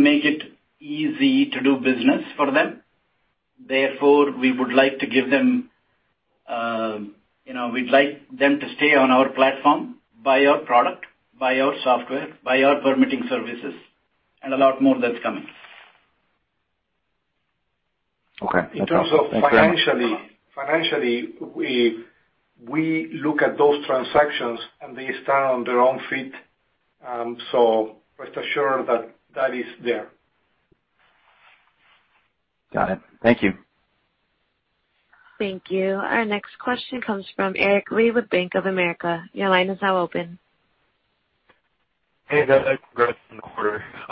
make it easy to do business for them. We'd like them to stay on our platform, buy our product, buy our software, buy our permitting services, and a lot more that's coming. Okay. No problem. In terms of financially, we look at those transactions, and they stand on their own feet. Rest assured that is there. Got it. Thank you. Thank you. Our next question comes from Aric Li with Bank of America. Your line is now open. Hey, guys. Aric Li with Bank of America. Just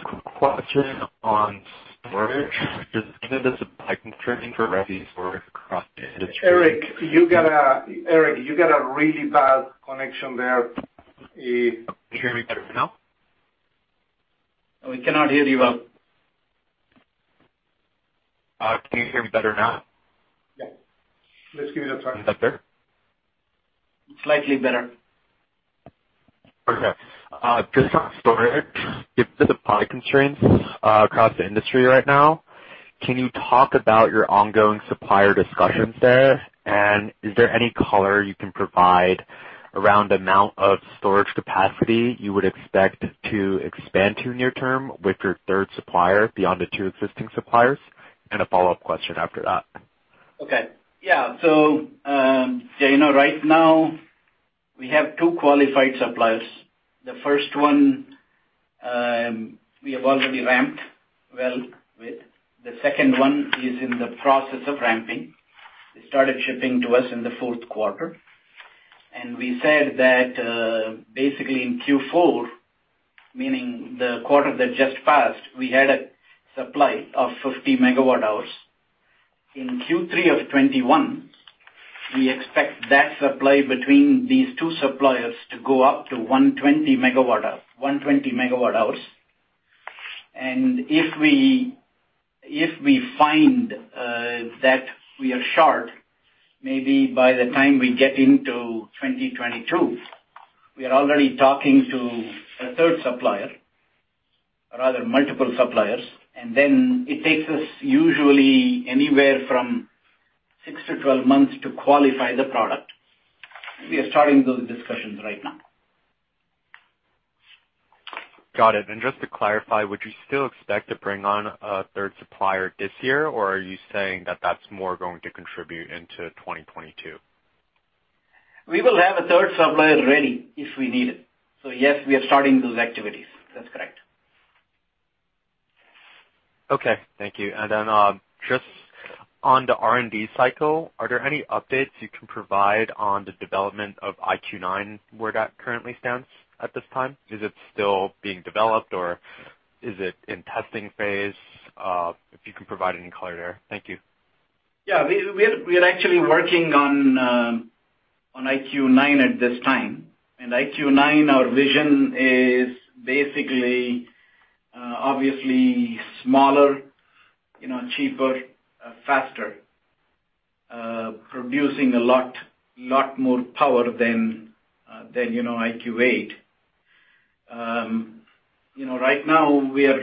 a quick question on storage. Given the supply constraints across the industry. Eric, you got a really bad connection there. Can you hear me better now? We cannot hear you well. Can you hear me better now? Yeah. Let's give it a try. Is that better? Slightly better. Okay. Just on storage, given the supply constraints across the industry right now, can you talk about your ongoing supplier discussions there? Is there any color you can provide around amount of storage capacity you would expect to expand to near term with your third supplier beyond the two existing suppliers? A follow-up question after that. Okay. Yeah. Right now we have two qualified suppliers. The first one, we have already ramped well with. The second one is in the process of ramping. They started shipping to us in the Q4. We said that, basically in Q4, meaning the quarter that just passed, we had a supply of 50 MWh. In Q3 of 2021, we expect that supply between these two suppliers to go up to 120 MWh. If we find that we are short, maybe by the time we get into 2022, we are already talking to a third supplier, or rather multiple suppliers, and then it takes us usually anywhere from six to 12 months to qualify the product. We are starting those discussions right now. Got it. Just to clarify, would you still expect to bring on a third supplier this year, or are you saying that that's more going to contribute into 2022? We will have a third supplier ready if we need it. Yes, we are starting those activities. That's correct. Okay. Thank you. Just on the R&D cycle, are there any updates you can provide on the development of IQ9, where that currently stands at this time? Is it still being developed, or is it in testing phase? If you can provide any color there. Thank you. Yeah. We are actually working on IQ9 at this time. IQ9, our vision is basically, obviously smaller, cheaper, faster. Producing a lot more power than IQ8. Right now, we are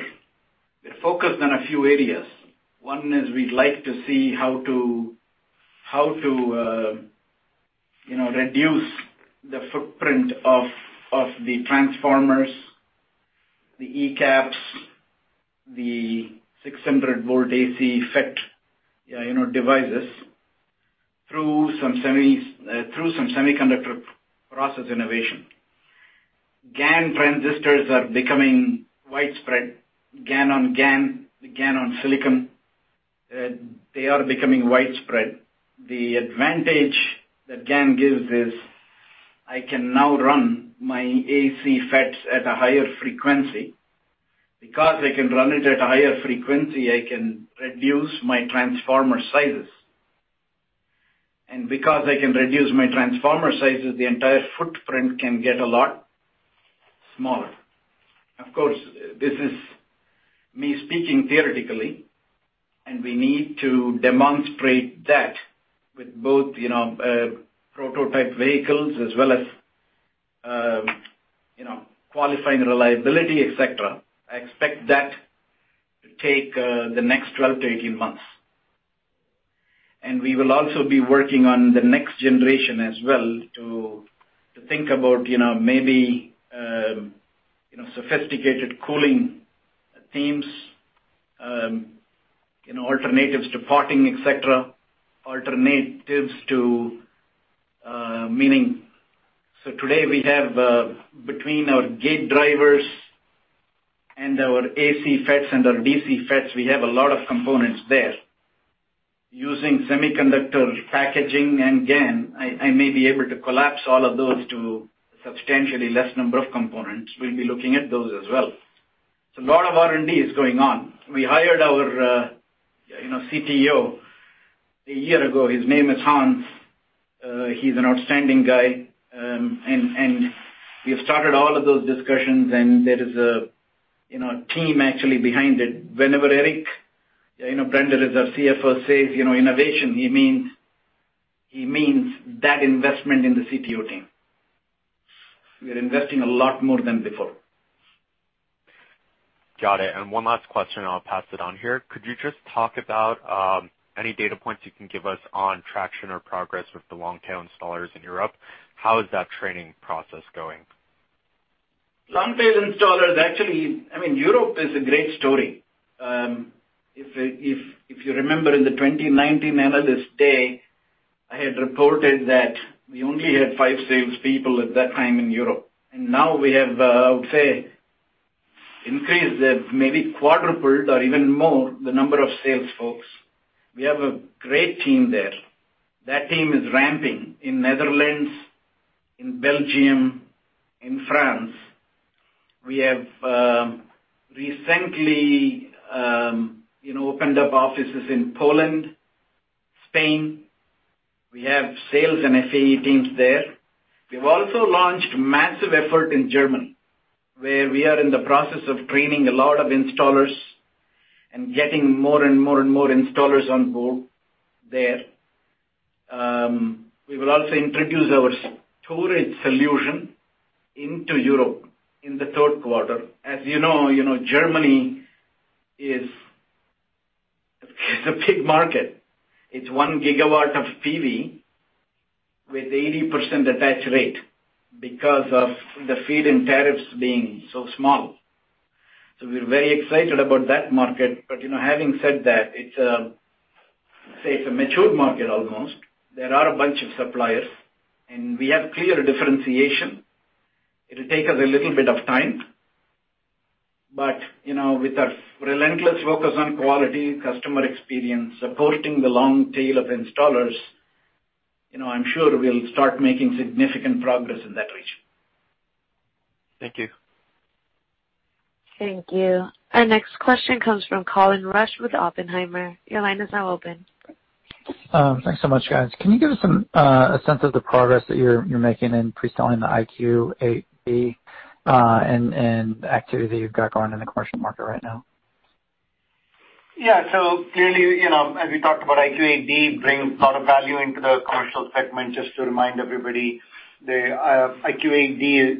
focused on a few areas. One is we'd like to see how to reduce the footprint of the transformers, the e-caps, the 600 volt AC FET devices through some semiconductor process innovation. GaN transistors are becoming widespread. GaN on GaN and GaN on silicon, they are becoming widespread. The advantage that GaN gives is I can now run my AC FETs at a higher frequency. I can run it at a higher frequency, I can reduce my transformer sizes. I can reduce my transformer sizes, the entire footprint can get a lot smaller. Of course, this is me speaking theoretically, and we need to demonstrate that with both prototype vehicles as well as qualifying reliability, et cetera. I expect that to take the next 12-18 months. We will also be working on the next generation as well to think about maybe sophisticated cooling schemes, alternatives to potting, et cetera, alternatives to meaning. Today we have, between our gate drivers and our AC FETs and our DC FETs, we have a lot of components there. Using semiconductor packaging and GaN, I may be able to collapse all of those to substantially less number of components. We will be looking at those as well. A lot of R&D is going on. We hired our CTO a year ago. His name is Hans. He is an outstanding guy. We have started all of those discussions, and there is a team actually behind it. Whenever Eric Branderiz, our CFO, says innovation, he means that investment in the CTO team. We are investing a lot more than before. Got it. One last question, I'll pass it on here. Could you just talk about any data points you can give us on traction or progress with the long-tail installers in Europe? How is that training process going? Long-tail installers, actually, Europe is a great story. If you remember in the 2019 Analyst Day, I had reported that we only had five salespeople at that time in Europe. Now we have, I would say, increased, maybe quadrupled or even more, the number of sales folks. We have a great team there. That team is ramping in Netherlands, in Belgium, in France. We have recently opened up offices in Poland, Spain. We have sales and FAE teams there. We've also launched massive effort in Germany, where we are in the process of training a lot of installers and getting more and more installers on board there. We will also introduce our storage solution into Europe in the Q3. You know, Germany is a big market. It's one gigawatt of PV with 80% attach rate because of the feed-in tariffs being so small. We're very excited about that market. Having said that, it's a matured market, almost. There are a bunch of suppliers, and we have clear differentiation. It'll take us a little bit of time. With our relentless focus on quality, customer experience, supporting the long tail of installers, I'm sure we'll start making significant progress in that region. Thank you. Thank you. Our next question comes from Colin Rusch with Oppenheimer. Your line is now open. Thanks so much, guys. Can you give us a sense of the progress that you're making in pre-selling the IQ8D, and activity you've got going in the commercial market right now? Clearly, as we talked about IQ8D brings a lot of value into the commercial segment. Just to remind everybody, the IQ8D,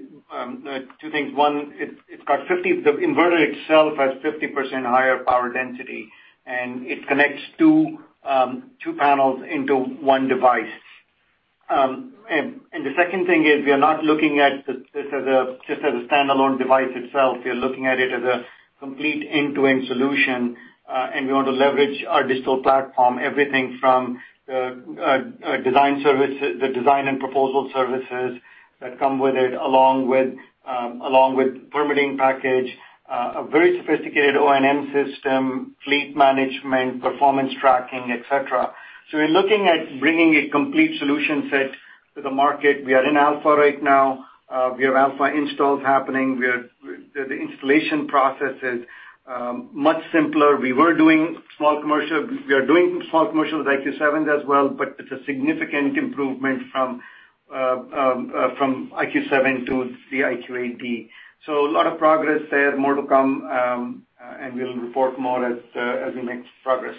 two things. One, the inverter itself has 50% higher power density, and it connects two panels into one device. The second thing is, we are not looking at this as a standalone device itself. We are looking at it as a complete end-to-end solution, and we want to leverage our digital platform. Everything from the design and proposal services that come with it, along with permitting package, a very sophisticated O&M system, fleet management, performance tracking, et cetera. We're looking at bringing a complete solution set to the market. We are in alpha right now. We have alpha installs happening. The installation process is much simpler. We are doing small commercial with IQ7s as well, but it's a significant improvement from IQ7 to the IQ8D. A lot of progress there. More to come. We'll report more as we make progress.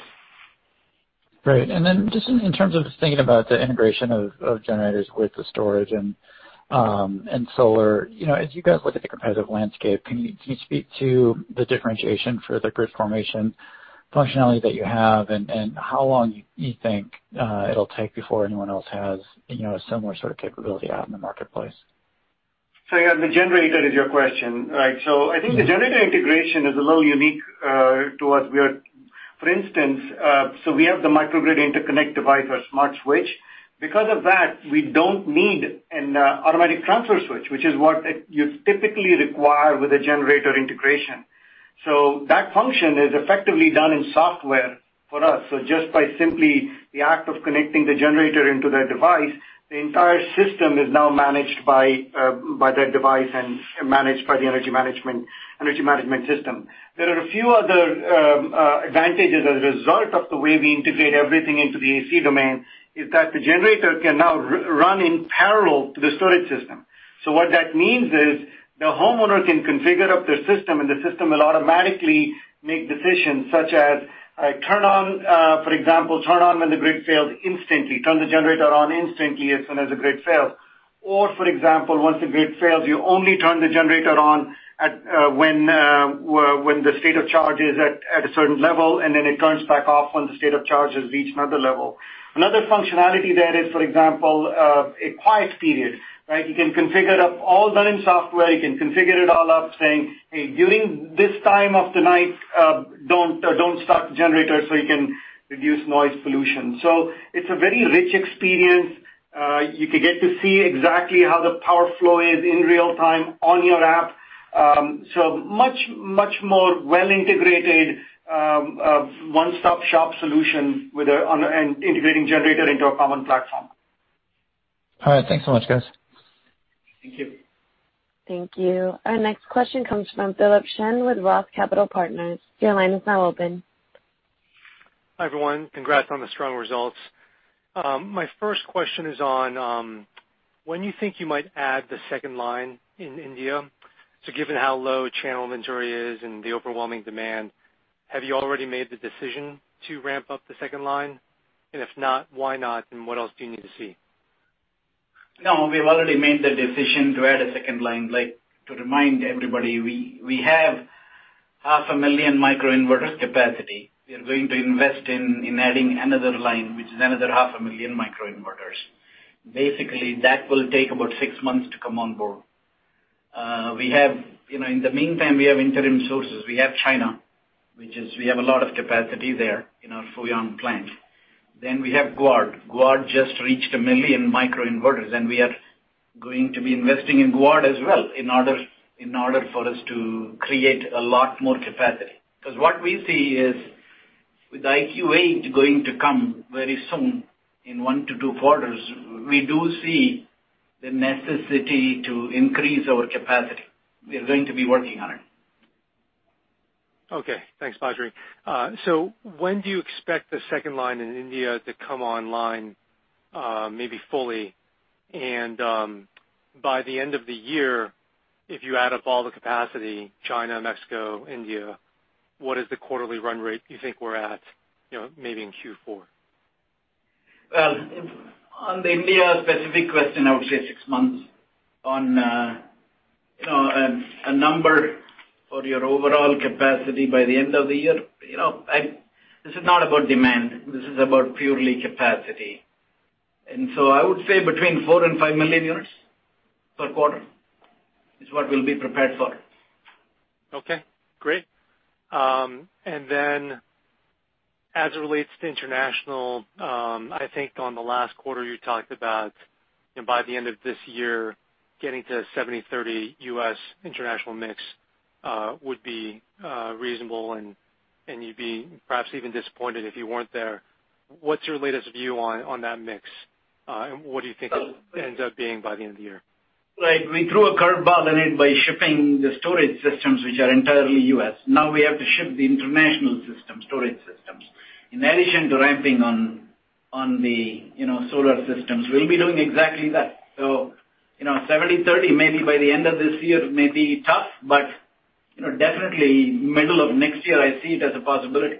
Great. Just in terms of thinking about the integration of generators with the storage and solar, as you guys look at the competitive landscape, can you speak to the differentiation for the grid formation functionality that you have, and how long you think it'll take before anyone else has a similar sort of capability out in the marketplace? Yeah, the generator is your question, right? I think the generator integration is a little unique to us. For instance, we have the Microgrid Interconnect Device or Smart Switch. Because of that, we don't need an automatic transfer switch, which is what you typically require with a generator integration. That function is effectively done in software for us. Just by simply the act of connecting the generator into that device, the entire system is now managed by that device and managed by the energy management system. There are a few other advantages as a result of the way we integrate everything into the AC domain, is that the generator can now run in parallel to the storage system. What that means is the homeowner can configure up their system, and the system will automatically make decisions such as, for example, turn on when the grid fails instantly, turn the generator on instantly as soon as the grid fails. For example, once the grid fails, you only turn the generator on when the state of charge is at a certain level, and then it turns back off when the state of charge has reached another level. Another functionality there is, for example, a quiet period, right? You can configure it up, all done in software. You can configure it all up saying, "Hey, during this time of the night, don't start the generator," so you can reduce noise pollution. It's a very rich experience. You can get to see exactly how the power flow is in real time on your app. much more well-integrated, one-stop shop solution with integrating generator into a common platform. All right. Thanks so much, guys. Thank you. Thank you. Our next question comes from Philip Shen with ROTH Capital Partners. Your line is now open. Hi, everyone. Congrats on the strong results. My first question is on when you think you might add the second line in India. Given how low channel inventory is and the overwhelming demand, have you already made the decision to ramp up the second line? If not, why not? What else do you need to see? We've already made the decision to add a second line. To remind everybody, we have half a million microinverters capacity. We are going to invest in adding another line, which is another half a million microinverters. That will take about six months to come on board. In the meantime, we have interim sources. We have China, we have a lot of capacity there in our Fuyong plant. We have Guad. Guad just reached 1 million microinverters, we are going to be investing in Guad as well in order for us to create a lot more capacity. What we see is, with IQ8 going to come very soon, in one to two quarters, we do see the necessity to increase our capacity. We are going to be working on it. Okay. Thanks, Badri. When do you expect the second line in India to come online, maybe fully? By the end of the year, if you add up all the capacity, China, Mexico, India, what is the quarterly run rate you think we're at maybe in Q4? Well, on the India-specific question, I would say six months. On a number for your overall capacity by the end of the year, this is not about demand. This is about purely capacity. I would say between 4 million and 5 million units per quarter is what we'll be prepared for. Okay, great. As it relates to international, I think on the last quarter you talked about by the end of this year, getting to 70/30 U.S. international mix, would be reasonable and you'd be perhaps even disappointed if you weren't there. What's your latest view on that mix? What do you think it ends up being by the end of the year? We threw a curve ball in it by shipping the storage systems, which are entirely U.S. We have to ship the international storage systems. In addition to ramping on the solar systems, we'll be doing exactly that. 70/30 maybe by the end of this year may be tough, but definitely middle of next year, I see it as a possibility.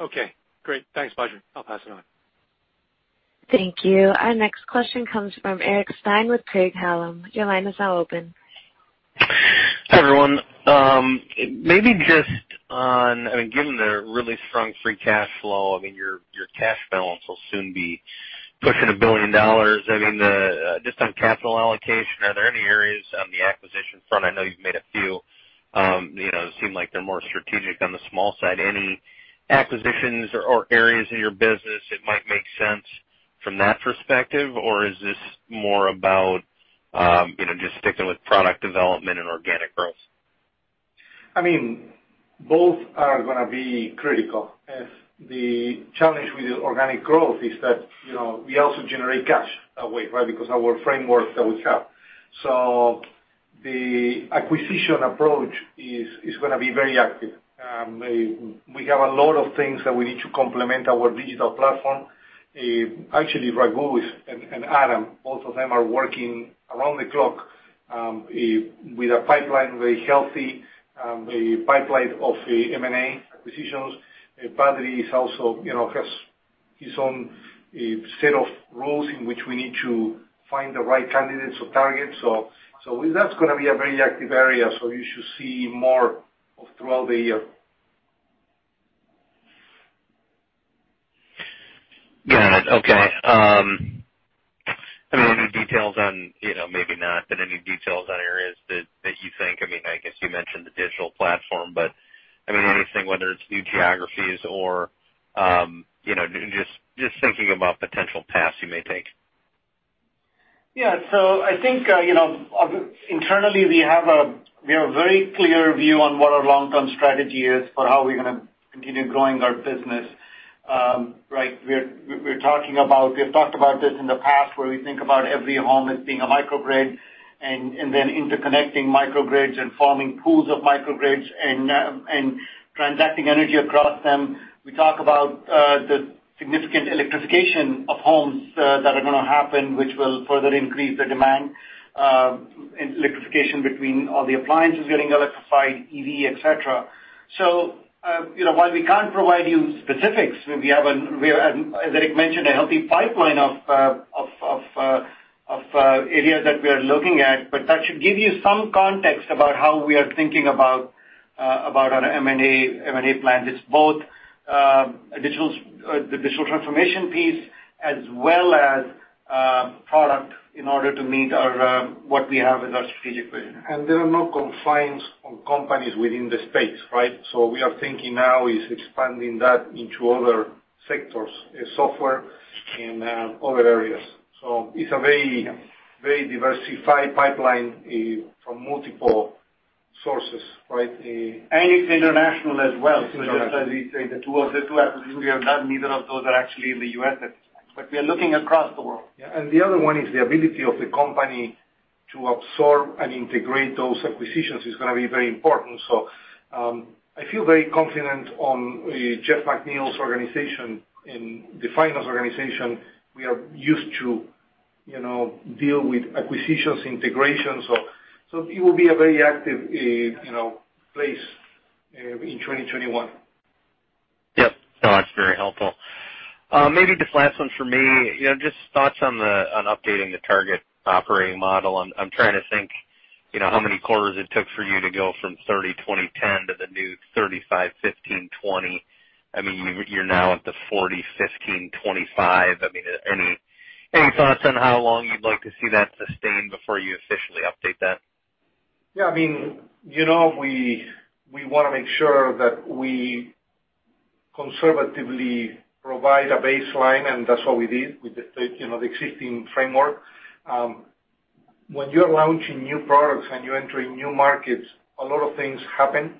Okay, great. Thanks, Badri. I'll pass it on. Thank you. Our next question comes from Eric Stine with Craig-Hallum. Your line is now open. Hi, everyone. Maybe just on, given the really strong free cash flow, I mean your cash balance will soon be pushing $1 billion. Just on capital allocation, are there any areas on the acquisition front, I know you've made a few, seem like they're more strategic on the small side. Any acquisitions or areas in your business it might make sense from that perspective? Is this more about just sticking with product development and organic growth? I mean, both are gonna be critical, as the challenge with organic growth is that we also generate cash that way, right? Because our framework that we have. The acquisition approach is gonna be very active. We have a lot of things that we need to complement our digital platform. Actually, Raghu and Adam, both of them are working around the clock with our pipeline very healthy, the pipeline of the M&A acquisitions, battery also has its own set of rules in which we need to find the right candidates or targets. That's going to be a very active area. You should see more throughout the year. Got it. Okay. Any details on, maybe not, but any details on areas that you think, I guess you mentioned the digital platform, but I'm wondering, I think whether it's new geographies or just thinking about potential paths you may take? Yeah. I think, internally we have a very clear view on what our long-term strategy is for how we're going to continue growing our business. We've talked about this in the past, where we think about every home as being a microgrid, and then interconnecting microgrids and forming pools of microgrids and transacting energy across them. We talk about the significant electrification of homes that are going to happen, which will further increase the demand, electrification between all the appliances getting electrified, EV, et cetera. While we can't provide you specifics, we have, as Eric mentioned, a healthy pipeline of areas that we are looking at, but that should give you some context about how we are thinking about our M&A plan. It's both the digital transformation piece as well as product in order to meet what we have in our strategic plan. There are no confines on companies within the space, right? We are thinking now is expanding that into other sectors, software and other areas. It's a very diversified pipeline from multiple sources, right? It's international as well. It's international. As we say, the two acquisitions we have done, neither of those are actually in the U.S. at this time. We are looking across the world. The other one is the ability of the company to absorb and integrate those acquisitions is going to be very important. I feel very confident on Jeff McNeil's organization, in the finance organization. We are used to deal with acquisitions, integrations. It will be a very active place in 2021. Yep. No, that's very helpful. Maybe just last one from me. Just thoughts on updating the target operating model. I'm trying to think how many quarters it took for you to go from 30/20/10 to the new 35/15/20. You're now at the 40/15/25. Any thoughts on how long you'd like to see that sustained before you officially update that? Yeah. We want to make sure that we conservatively provide a baseline, and that's what we did with the existing framework. When you're launching new products and you're entering new markets, a lot of things happen.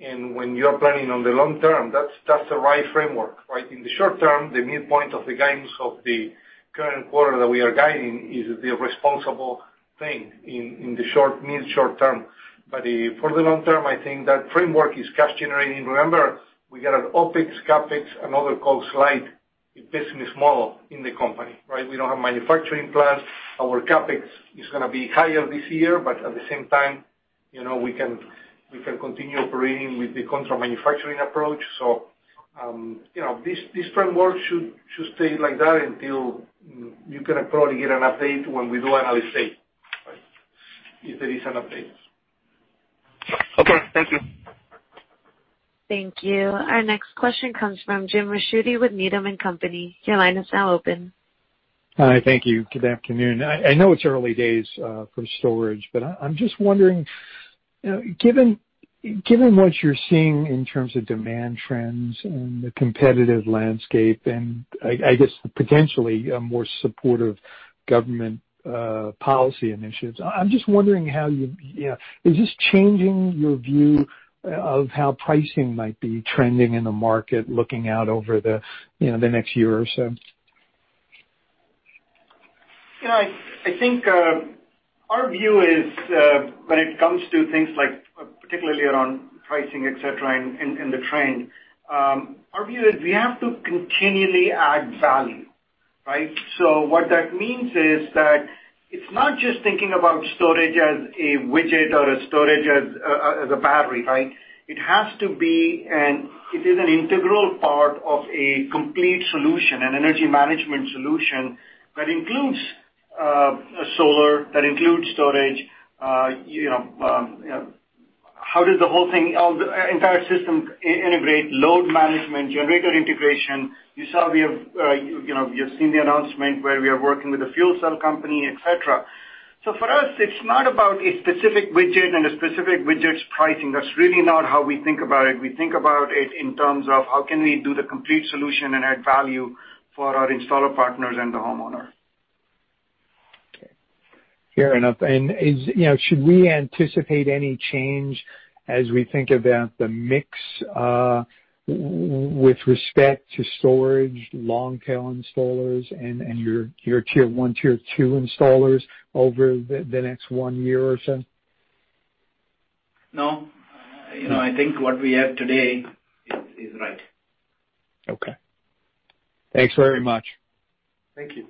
When you're planning on the long term, that's the right framework, right? In the short term, the midpoint of the guidance of the current quarter that we are guiding is the responsible thing in the mid, short term. For the long term, I think that framework is cash-generating. Remember, we got an OpEx, CapEx, and other costs light business model in the company, right? We don't have manufacturing plants. Our CapEx is going to be higher this year, but at the same time, we can continue operating with the contract manufacturing approach. This framework should stay like that until you can probably get an update when we do our next state, if there is an update. Okay. Thank you. Thank you. Our next question comes from Jim Ricchiuti with Needham & Company. Your line is now open. Hi. Thank you. Good afternoon. I know it's early days for storage, I'm just wondering, given what you're seeing in terms of demand trends and the competitive landscape, and I guess the potentially more supportive government policy initiatives, I'm just wondering, is this changing your view of how pricing might be trending in the market looking out over the next year or so? I think our view is, when it comes to things like particularly around pricing, et cetera, and the trend, our view is we have to continually add value, right? What that means is that it's not just thinking about storage as a widget or a storage as a battery, right? It has to be an integral part of a complete solution, an energy management solution that includes solar, that includes storage. How does the whole thing, entire system integrate load management, generator integration? You've seen the announcement where we are working with a fuel cell company, et cetera. For us, it's not about a specific widget and a specific widget's pricing. That's really not how we think about it. We think about it in terms of how can we do the complete solution and add value for our installer partners and the homeowner. Okay. Fair enough. Should we anticipate any change as we think about the mix with respect to storage, long-tail installers, and your tier 1, tier 2 installers over the next one year or so? No. I think what we have today is right. Okay. Thanks very much. Thank you.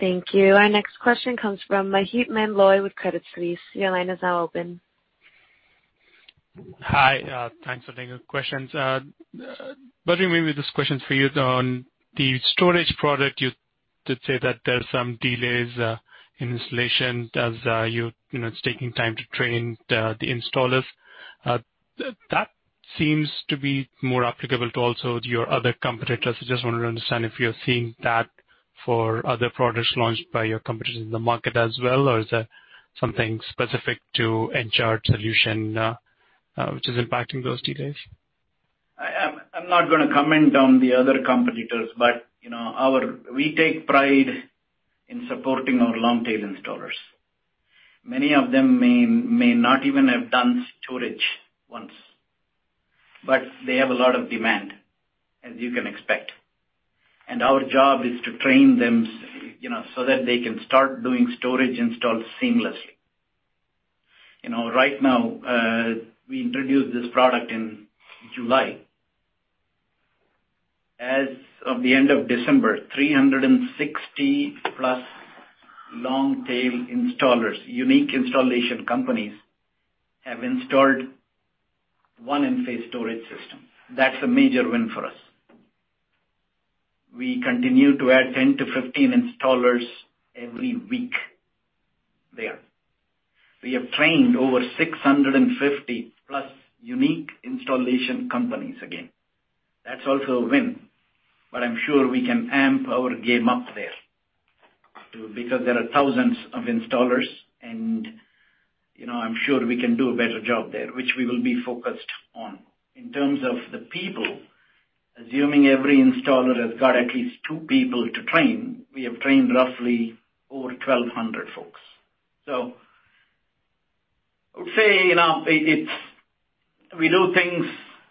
Thank you. Our next question comes from Maheep Mandloi with Credit Suisse. Your line is now open. Hi. Thanks for taking the questions. Badri, maybe this question is for you on the storage product. You did say that there are some delays in installation. It's taking time to train the installers. That seems to be more applicable to also your other competitors. I just wanted to understand if you're seeing that for other products launched by your competitors in the market as well, or is that something specific to Encharge solution, which is impacting those delays? I'm not going to comment on the other competitors, but we take pride in supporting our long-tail installers. Many of them may not even have done storage once. They have a lot of demand, as you can expect. Our job is to train them, so that they can start doing storage installs seamlessly. Right now, we introduced this product in July. As of the end of December, 360+ long-tail installers, unique installation companies, have installed one Enphase storage system. That's a major win for us. We continue to add 10-15 installers every week there. We have trained over 650+ unique installation companies again. That's also a win. I'm sure we can amp our game up there, because there are thousands of installers, and I'm sure we can do a better job there, which we will be focused on. In terms of the people, assuming every installer has got at least two people to train, we have trained roughly over 1,200 folks. I would say, we do things.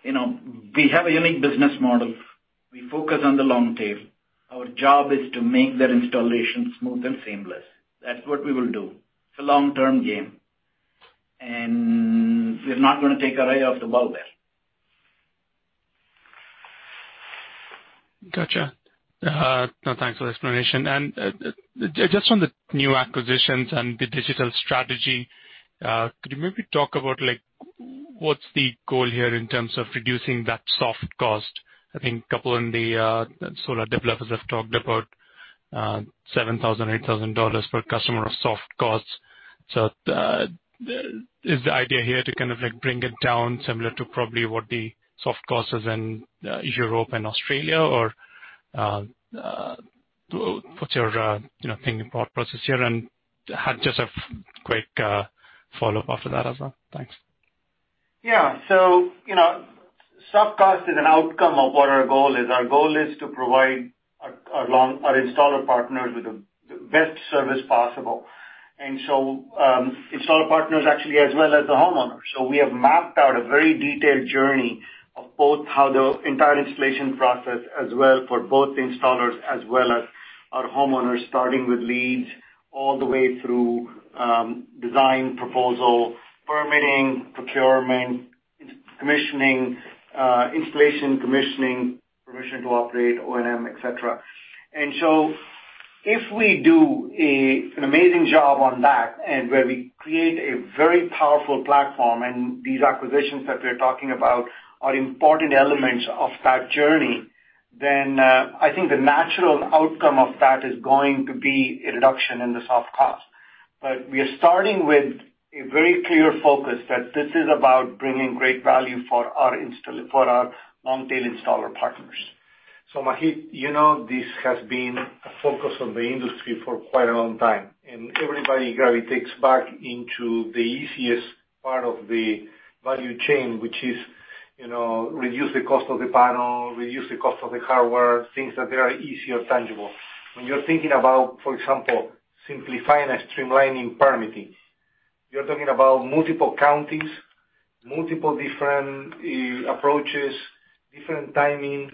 We have a unique business model. We focus on the long tail. Our job is to make that installation smooth and seamless. That's what we will do. It's a long-term game. We're not going to take our eye off the ball there. Got you. Thanks for the explanation. Just on the new acquisitions and the digital strategy, could you maybe talk about what's the goal here in terms of reducing that soft cost? I think a couple of the solar developers have talked about $7,000, $8,000 per customer of soft costs. Is the idea here to kind of bring it down similar to probably what the soft cost is in Europe and Australia? What's your thinking process here? I have just a quick follow-up after that as well. Thanks. Yeah. Soft cost is an outcome of what our goal is. Our goal is to provide our installer partners with the best service possible. Installer partners actually as well as the homeowners. We have mapped out a very detailed journey of both how the entire installation process as well for both the installers as well as our homeowners, starting with leads all the way through design, proposal, permitting, procurement, commissioning, installation commissioning, permission to operate, O&M, et cetera. If we do an amazing job on that and where we create a very powerful platform, and these acquisitions that we're talking about are important elements of that journey, then I think the natural outcome of that is going to be a reduction in the soft cost. We are starting with a very clear focus that this is about bringing great value for our long-tail installer partners. Maheep, this has been a focus of the industry for quite a long time, and everybody gravitates back into the easiest part of the value chain, which is reduce the cost of the panel, reduce the cost of the hardware, things that are easy or tangible. When you're thinking about, for example, simplifying and streamlining permitting, you're talking about multiple counties, multiple different approaches, different timing,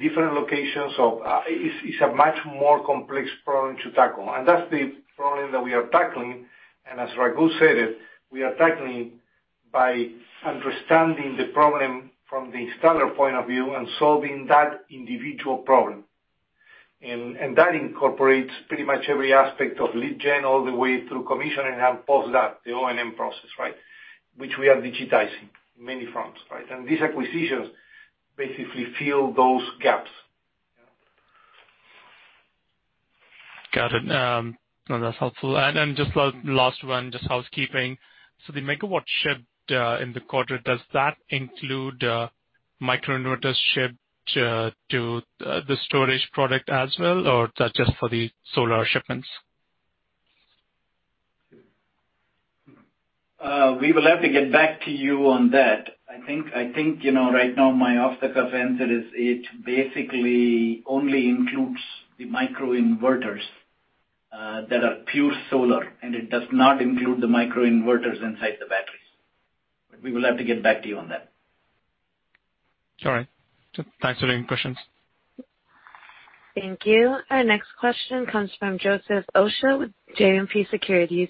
different locations. It's a much more complex problem to tackle. That's the problem that we are tackling. As Raghu said it, we are tackling by understanding the problem from the installer point of view and solving that individual problem. That incorporates pretty much every aspect of lead gen all the way through commissioning and post that, the O&M process, right? Which we are digitizing in many fronts, right? These acquisitions basically fill those gaps. Got it. No, that's helpful. Just last one, just housekeeping. The megawatt shipped in the quarter, does that include microinverters shipped to the storage product as well, or is that just for the solar shipments? We will have to get back to you on that. I think right now my off-the-cuff answer is it basically only includes the microinverters that are pure solar, and it does not include the microinverters inside the batteries. We will have to get back to you on that. All right. Thanks for taking questions. Thank you. Our next question comes from Joseph Osha with JMP Securities.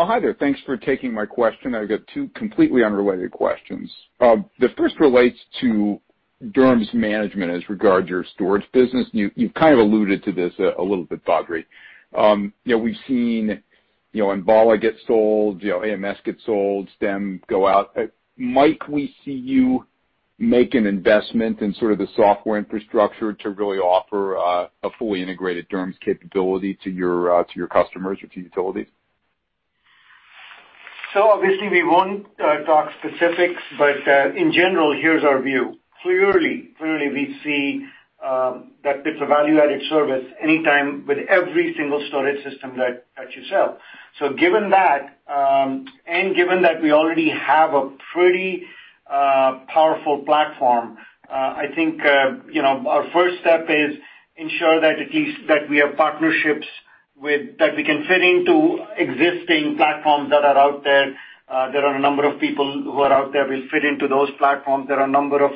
Hi there. Thanks for taking my question. I've got two completely unrelated questions. The first relates to DERMS management as regard your storage business. You kind of alluded to this a little bit, Badri. We've seen Enbala get sold, AMS get sold, Stem go out. Might we see you make an investment in sort of the software infrastructure to really offer a fully integrated DERMS capability to your customers or to utilities? Obviously we won't talk specifics, but, in general, here's our view. Clearly, we see that it's a value-added service anytime with every single storage system that you sell. Given that, and given that we already have a pretty powerful platform, I think, our first step is ensure that at least that we have partnerships that we can fit into existing platforms that are out there. There are a number of people who are out there. We fit into those platforms. There are a number of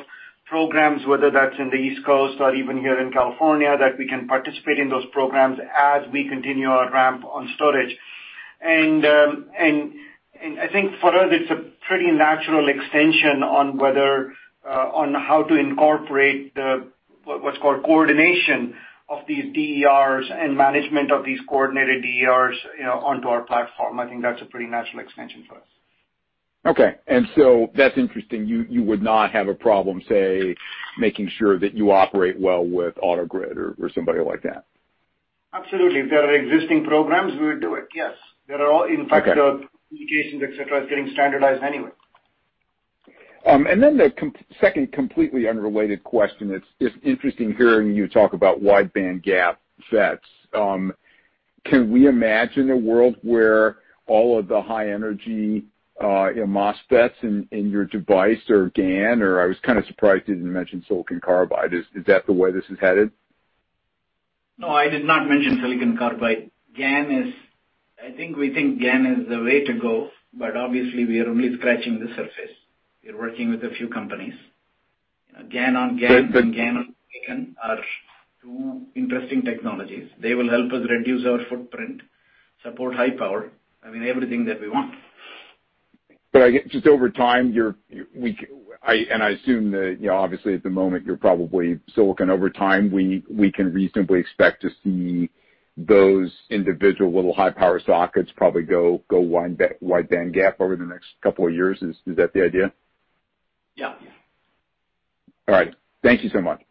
programs, whether that's in the East Coast or even here in California, that we can participate in those programs as we continue our ramp on storage. I think for us, it's a pretty natural extension on how to incorporate what's called coordination of these DERs and management of these coordinated DERs onto our platform. I think that's a pretty natural extension for us. Okay. That's interesting. You would not have a problem, say, making sure that you operate well with AutoGrid or somebody like that. Absolutely. If there are existing programs, we would do it. Yes. Okay communications, et cetera, is getting standardized anyway. The second completely unrelated question. It's interesting hearing you talk about wide bandgap FETs. Can we imagine a world where all of the high energy MOSFETs in your device are GaN, or I was kind of surprised you didn't mention silicon carbide. Is that the way this is headed? No, I did not mention silicon carbide. I think we think GaN is the way to go. Obviously we are only scratching the surface. We are working with a few companies. GaN on GaN and GaN on silicon are two interesting technologies. They will help us reduce our footprint, support high power, I mean, everything that we want. I get just over time, and I assume that obviously at the moment you're probably silicon over time, we can reasonably expect to see those individual little high power sockets probably go wide bandgap over the next couple of years. Is that the idea? Yeah. All right. Thank you so much.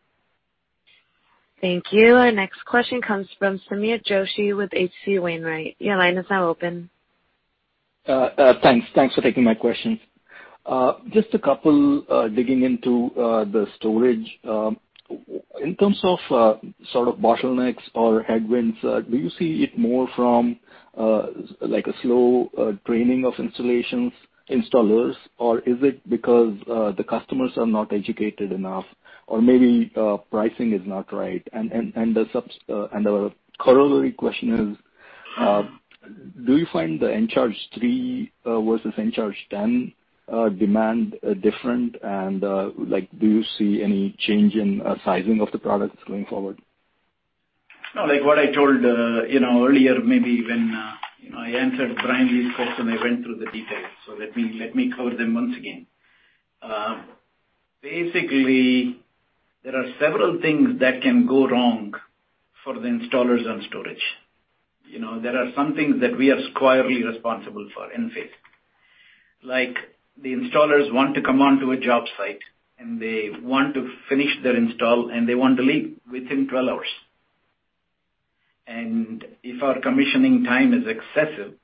Thank you. Our next question comes from Sameer Joshi with H.C. Wainwright. Your line is now open. Thanks for taking my questions. Just a couple, digging into the storage. In terms of sort of bottlenecks or headwinds, do you see it more from, like a slow draining of installations, installers, or is it because the customers are not educated enough or maybe pricing is not right? The corollary question is, do you find the Encharge 3 versus Encharge 10 demand different? Do you see any change in sizing of the products going forward? No, like what I told earlier, maybe when I answered Brian Lee's question, I went through the details. Let me cover them once again. Basically, there are several things that can go wrong for the installers on storage. There are some things that we are squarely responsible for Enphase. Like the installers want to come onto a job site, and they want to finish their install, and they want to leave within 12 hours. If our commissioning time is excessive,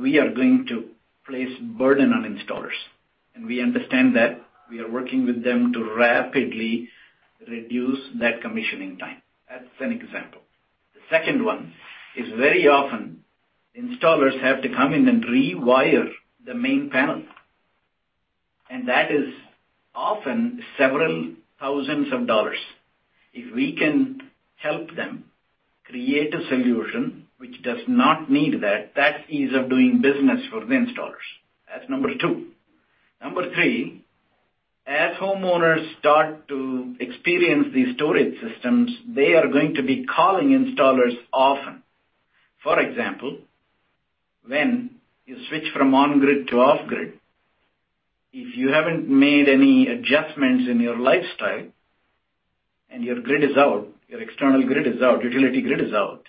we are going to place burden on installers. We understand that. We are working with them to rapidly reduce that commissioning time. That's an example. The second one is very often installers have to come in and rewire the main panel, and that is often several thousands of dollars. If we can help them create a solution which does not need that's ease of doing business for the installers. That's number two. Number three, as homeowners start to experience these storage systems, they are going to be calling installers often. For example, when you switch from on-grid to off-grid, if you haven't made any adjustments in your lifestyle and your grid is out, your external grid is out, utility grid is out,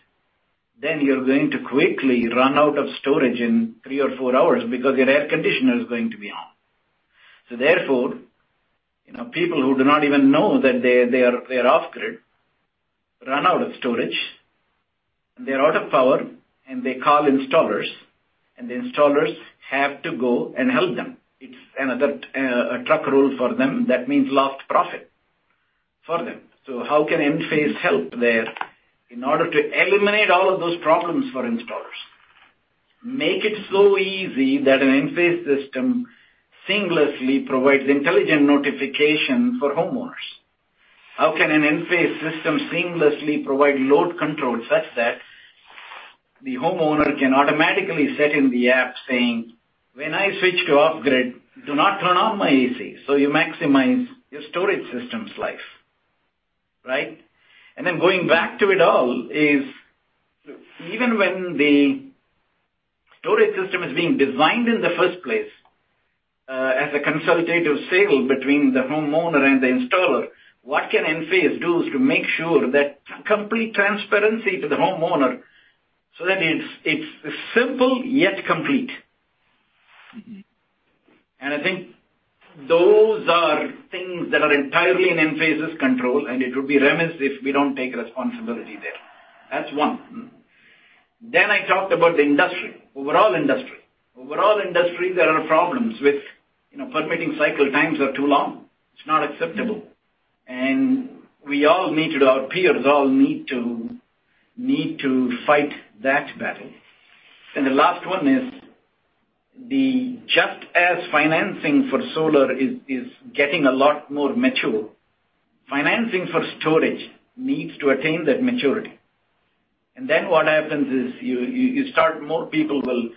then you're going to quickly run out of storage in three or four hours because your air conditioner is going to be on. Therefore, people who do not even know that they are off-grid run out of storage, and they're out of power, and they call installers, and the installers have to go and help them. It's another truck roll for them. That means lost profit for them. How can Enphase help there? In order to eliminate all of those problems for installers, make it so easy that an Enphase system seamlessly provides intelligent notification for homeowners. How can an Enphase system seamlessly provide load control? The homeowner can automatically set in the app saying, "When I switch to off-grid, do not turn off my AC." You maximize your storage system's life. Right? Going back to it all is, even when the storage system is being designed in the first place, as a consultative sale between the homeowner and the installer, what can Enphase do is to make sure that complete transparency to the homeowner, so that it's simple, yet complete. I think those are things that are entirely in Enphase's control, and it would be remiss if we don't take responsibility there. That's one. I talked about the industry, overall industry. Overall industry, there are problems with permitting cycle times are too long. It's not acceptable. Our peers all need to fight that battle. The last one is, just as financing for solar is getting a lot more mature, financing for storage needs to attain that maturity. What happens is more people will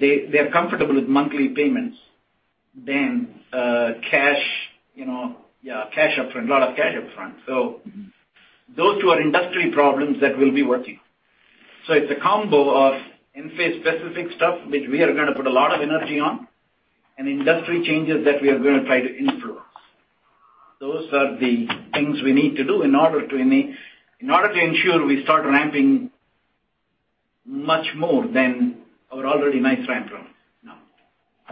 They're comfortable with monthly payments than a lot of cash up front. Those two are industry problems that we'll be working on. It's a combo of Enphase specific stuff, which we are going to put a lot of energy on, and industry changes that we are going to try to influence. Those are the things we need to do in order to ensure we start ramping much more than our already nice ramp run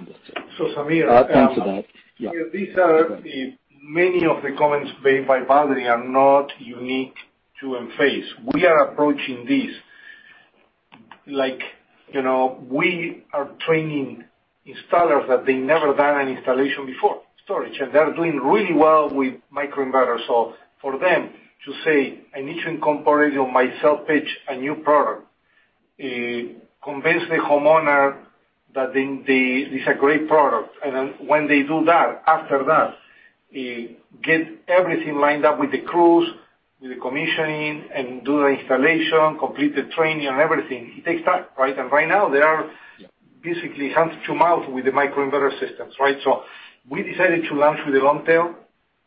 now. Understood. Sameer. Thanks for that. Yeah. Many of the comments made by Badri are not unique to Enphase. We are approaching this, we are training installers that they never done an installation before, storage. They are doing really well with microinverters. For them to say, "I need to incorporate on my sell pitch a new product," convince the homeowner that it's a great product. When they do that, after that, get everything lined up with the crews, with the commissioning, and do the installation, complete the training and everything. It takes time, right? Right now they are basically hand to mouth with the microinverter systems, right? We decided to launch with the long tail.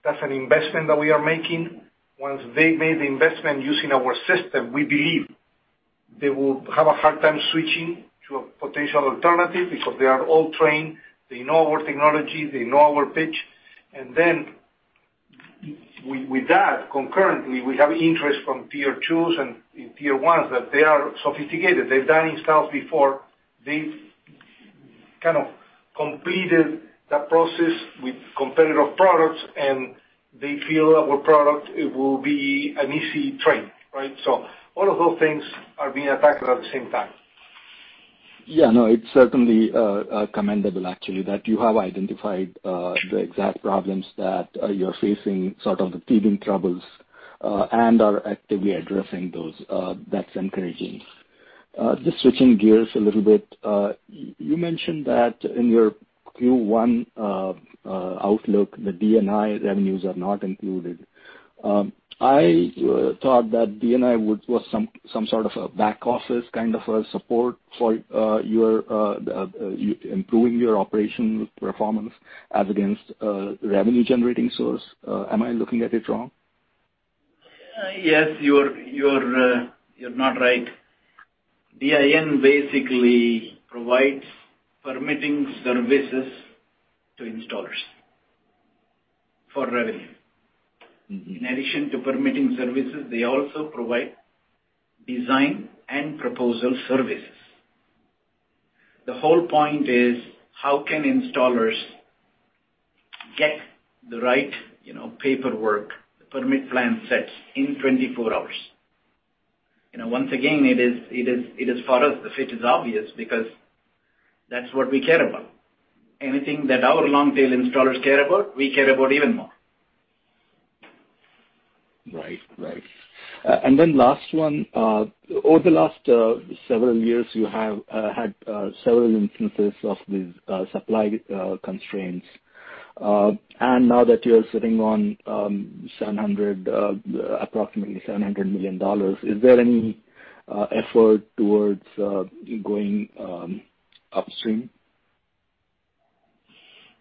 That's an investment that we are making. Once they've made the investment using our system, we believe they will have a hard time switching to a potential alternative because they are all trained, they know our technology, they know our pitch. With that, concurrently, we have interest from Tier 2s and Tier 1s that they are sophisticated. They've done installs before. They've kind of completed that process with competitive products, and they feel our product, it will be an easy train, right? All of those things are being attacked at the same time. Yeah, no, it is certainly commendable actually that you have identified the exact problems that you are facing, sort of the teething troubles, and are actively addressing those. That is encouraging. Just switching gears a little bit. You mentioned that in your Q1 outlook, the DIN revenues are not included. I thought that DIN was some sort of a back office kind of a support for improving your operation performance as against a revenue-generating source. Am I looking at it wrong? Yes, you're not right. DIN basically provides permitting services to installers for revenue. In addition to permitting services, they also provide design and proposal services. The whole point is how can installers get the right paperwork, the permit plan sets, in 24 hours. Once again, it is for us, the fit is obvious because that's what we care about. Anything that our long-tail installers care about, we care about even more. Right. Last one. Over the last several years, you have had several instances of these supply constraints. Now that you're sitting on approximately $700 million, is there any effort towards going upstream?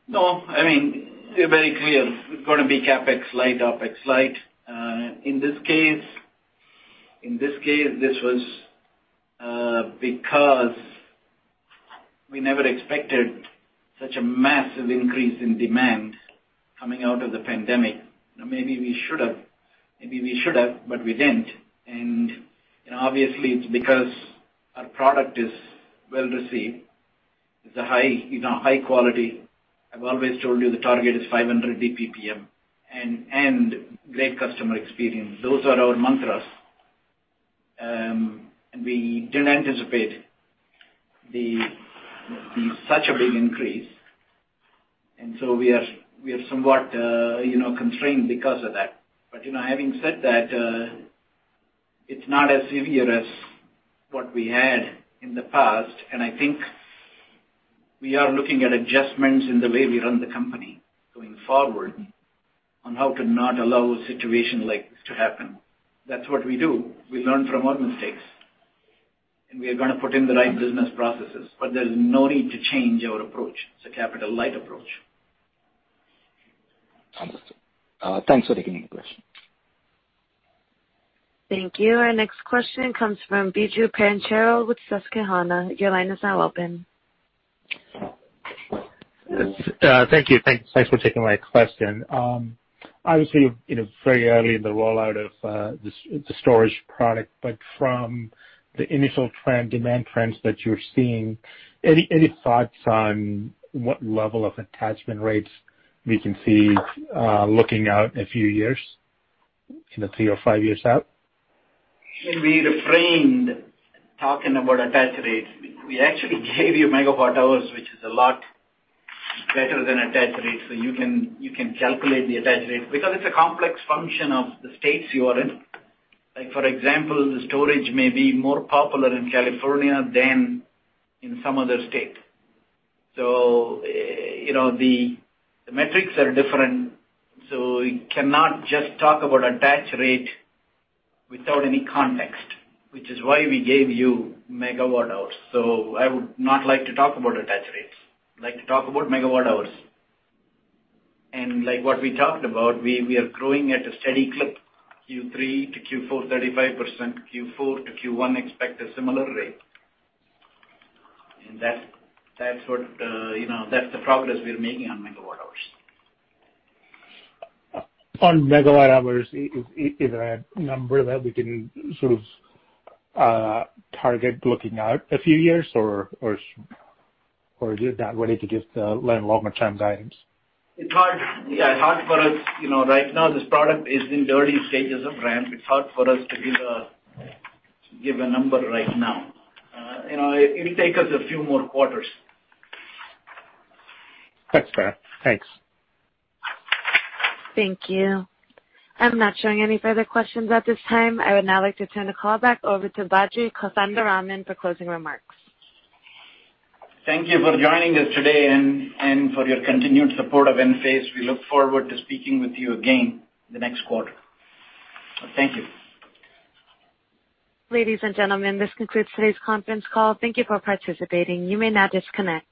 No. We're very clear. We're going to be CapEx light, OpEx light. In this case, this was because we never expected such a massive increase in demand coming out of the pandemic. Maybe we should have, but we didn't. Obviously it's because our product is well-received. It's a high quality. I've always told you the target is 500 DPPM and great customer experience. Those are our mantras. We didn't anticipate such a big increase, we are somewhat constrained because of that. Having said that, it's not as severe as what we had in the past. We are looking at adjustments in the way we run the company going forward on how to not allow a situation like this to happen. That's what we do. We learn from our mistakes, and we are going to put in the right business processes. There's no need to change our approach. It's a capital light approach. Understood. Thanks for taking my question. Thank you. Our next question comes from Biju Perincheril with Susquehanna. Your line is now open. Thank you. Thanks for taking my question. Obviously, very early in the rollout of the storage product, from the initial demand trends that you're seeing, any thoughts on what level of attachment rates we can see looking out a few years? Three or five years out? We refrained talking about attach rates. We actually gave you megawatt hours, which is a lot better than attach rates. You can calculate the attach rate. It's a complex function of the states you are in. Like for example, the storage may be more popular in California than in some other state. The metrics are different, so we cannot just talk about attach rate without any context, which is why we gave you megawatt hours. I would not like to talk about attach rates. I'd like to talk about megawatt hours. Like what we talked about, we are growing at a steady clip, Q3 to Q4, 35%. Q4 to Q1, expect a similar rate. That's the progress we are making on megawatt hours. On megawatt hours, is there a number that we can sort of target looking out a few years or you're not ready to give line involvement time guidance? It's hard for us. Right now, this product is in early stages of ramp. It's hard for us to give a number right now. It'll take us a few more quarters. That's fair. Thanks. Thank you. I am not showing any further questions at this time. I would now like to turn the call back over to Badri Kothandaraman for closing remarks. Thank you for joining us today and for your continued support of Enphase. We look forward to speaking with you again the next quarter. Thank you. Ladies and gentlemen, this concludes today's conference call. Thank you for participating. You may now disconnect.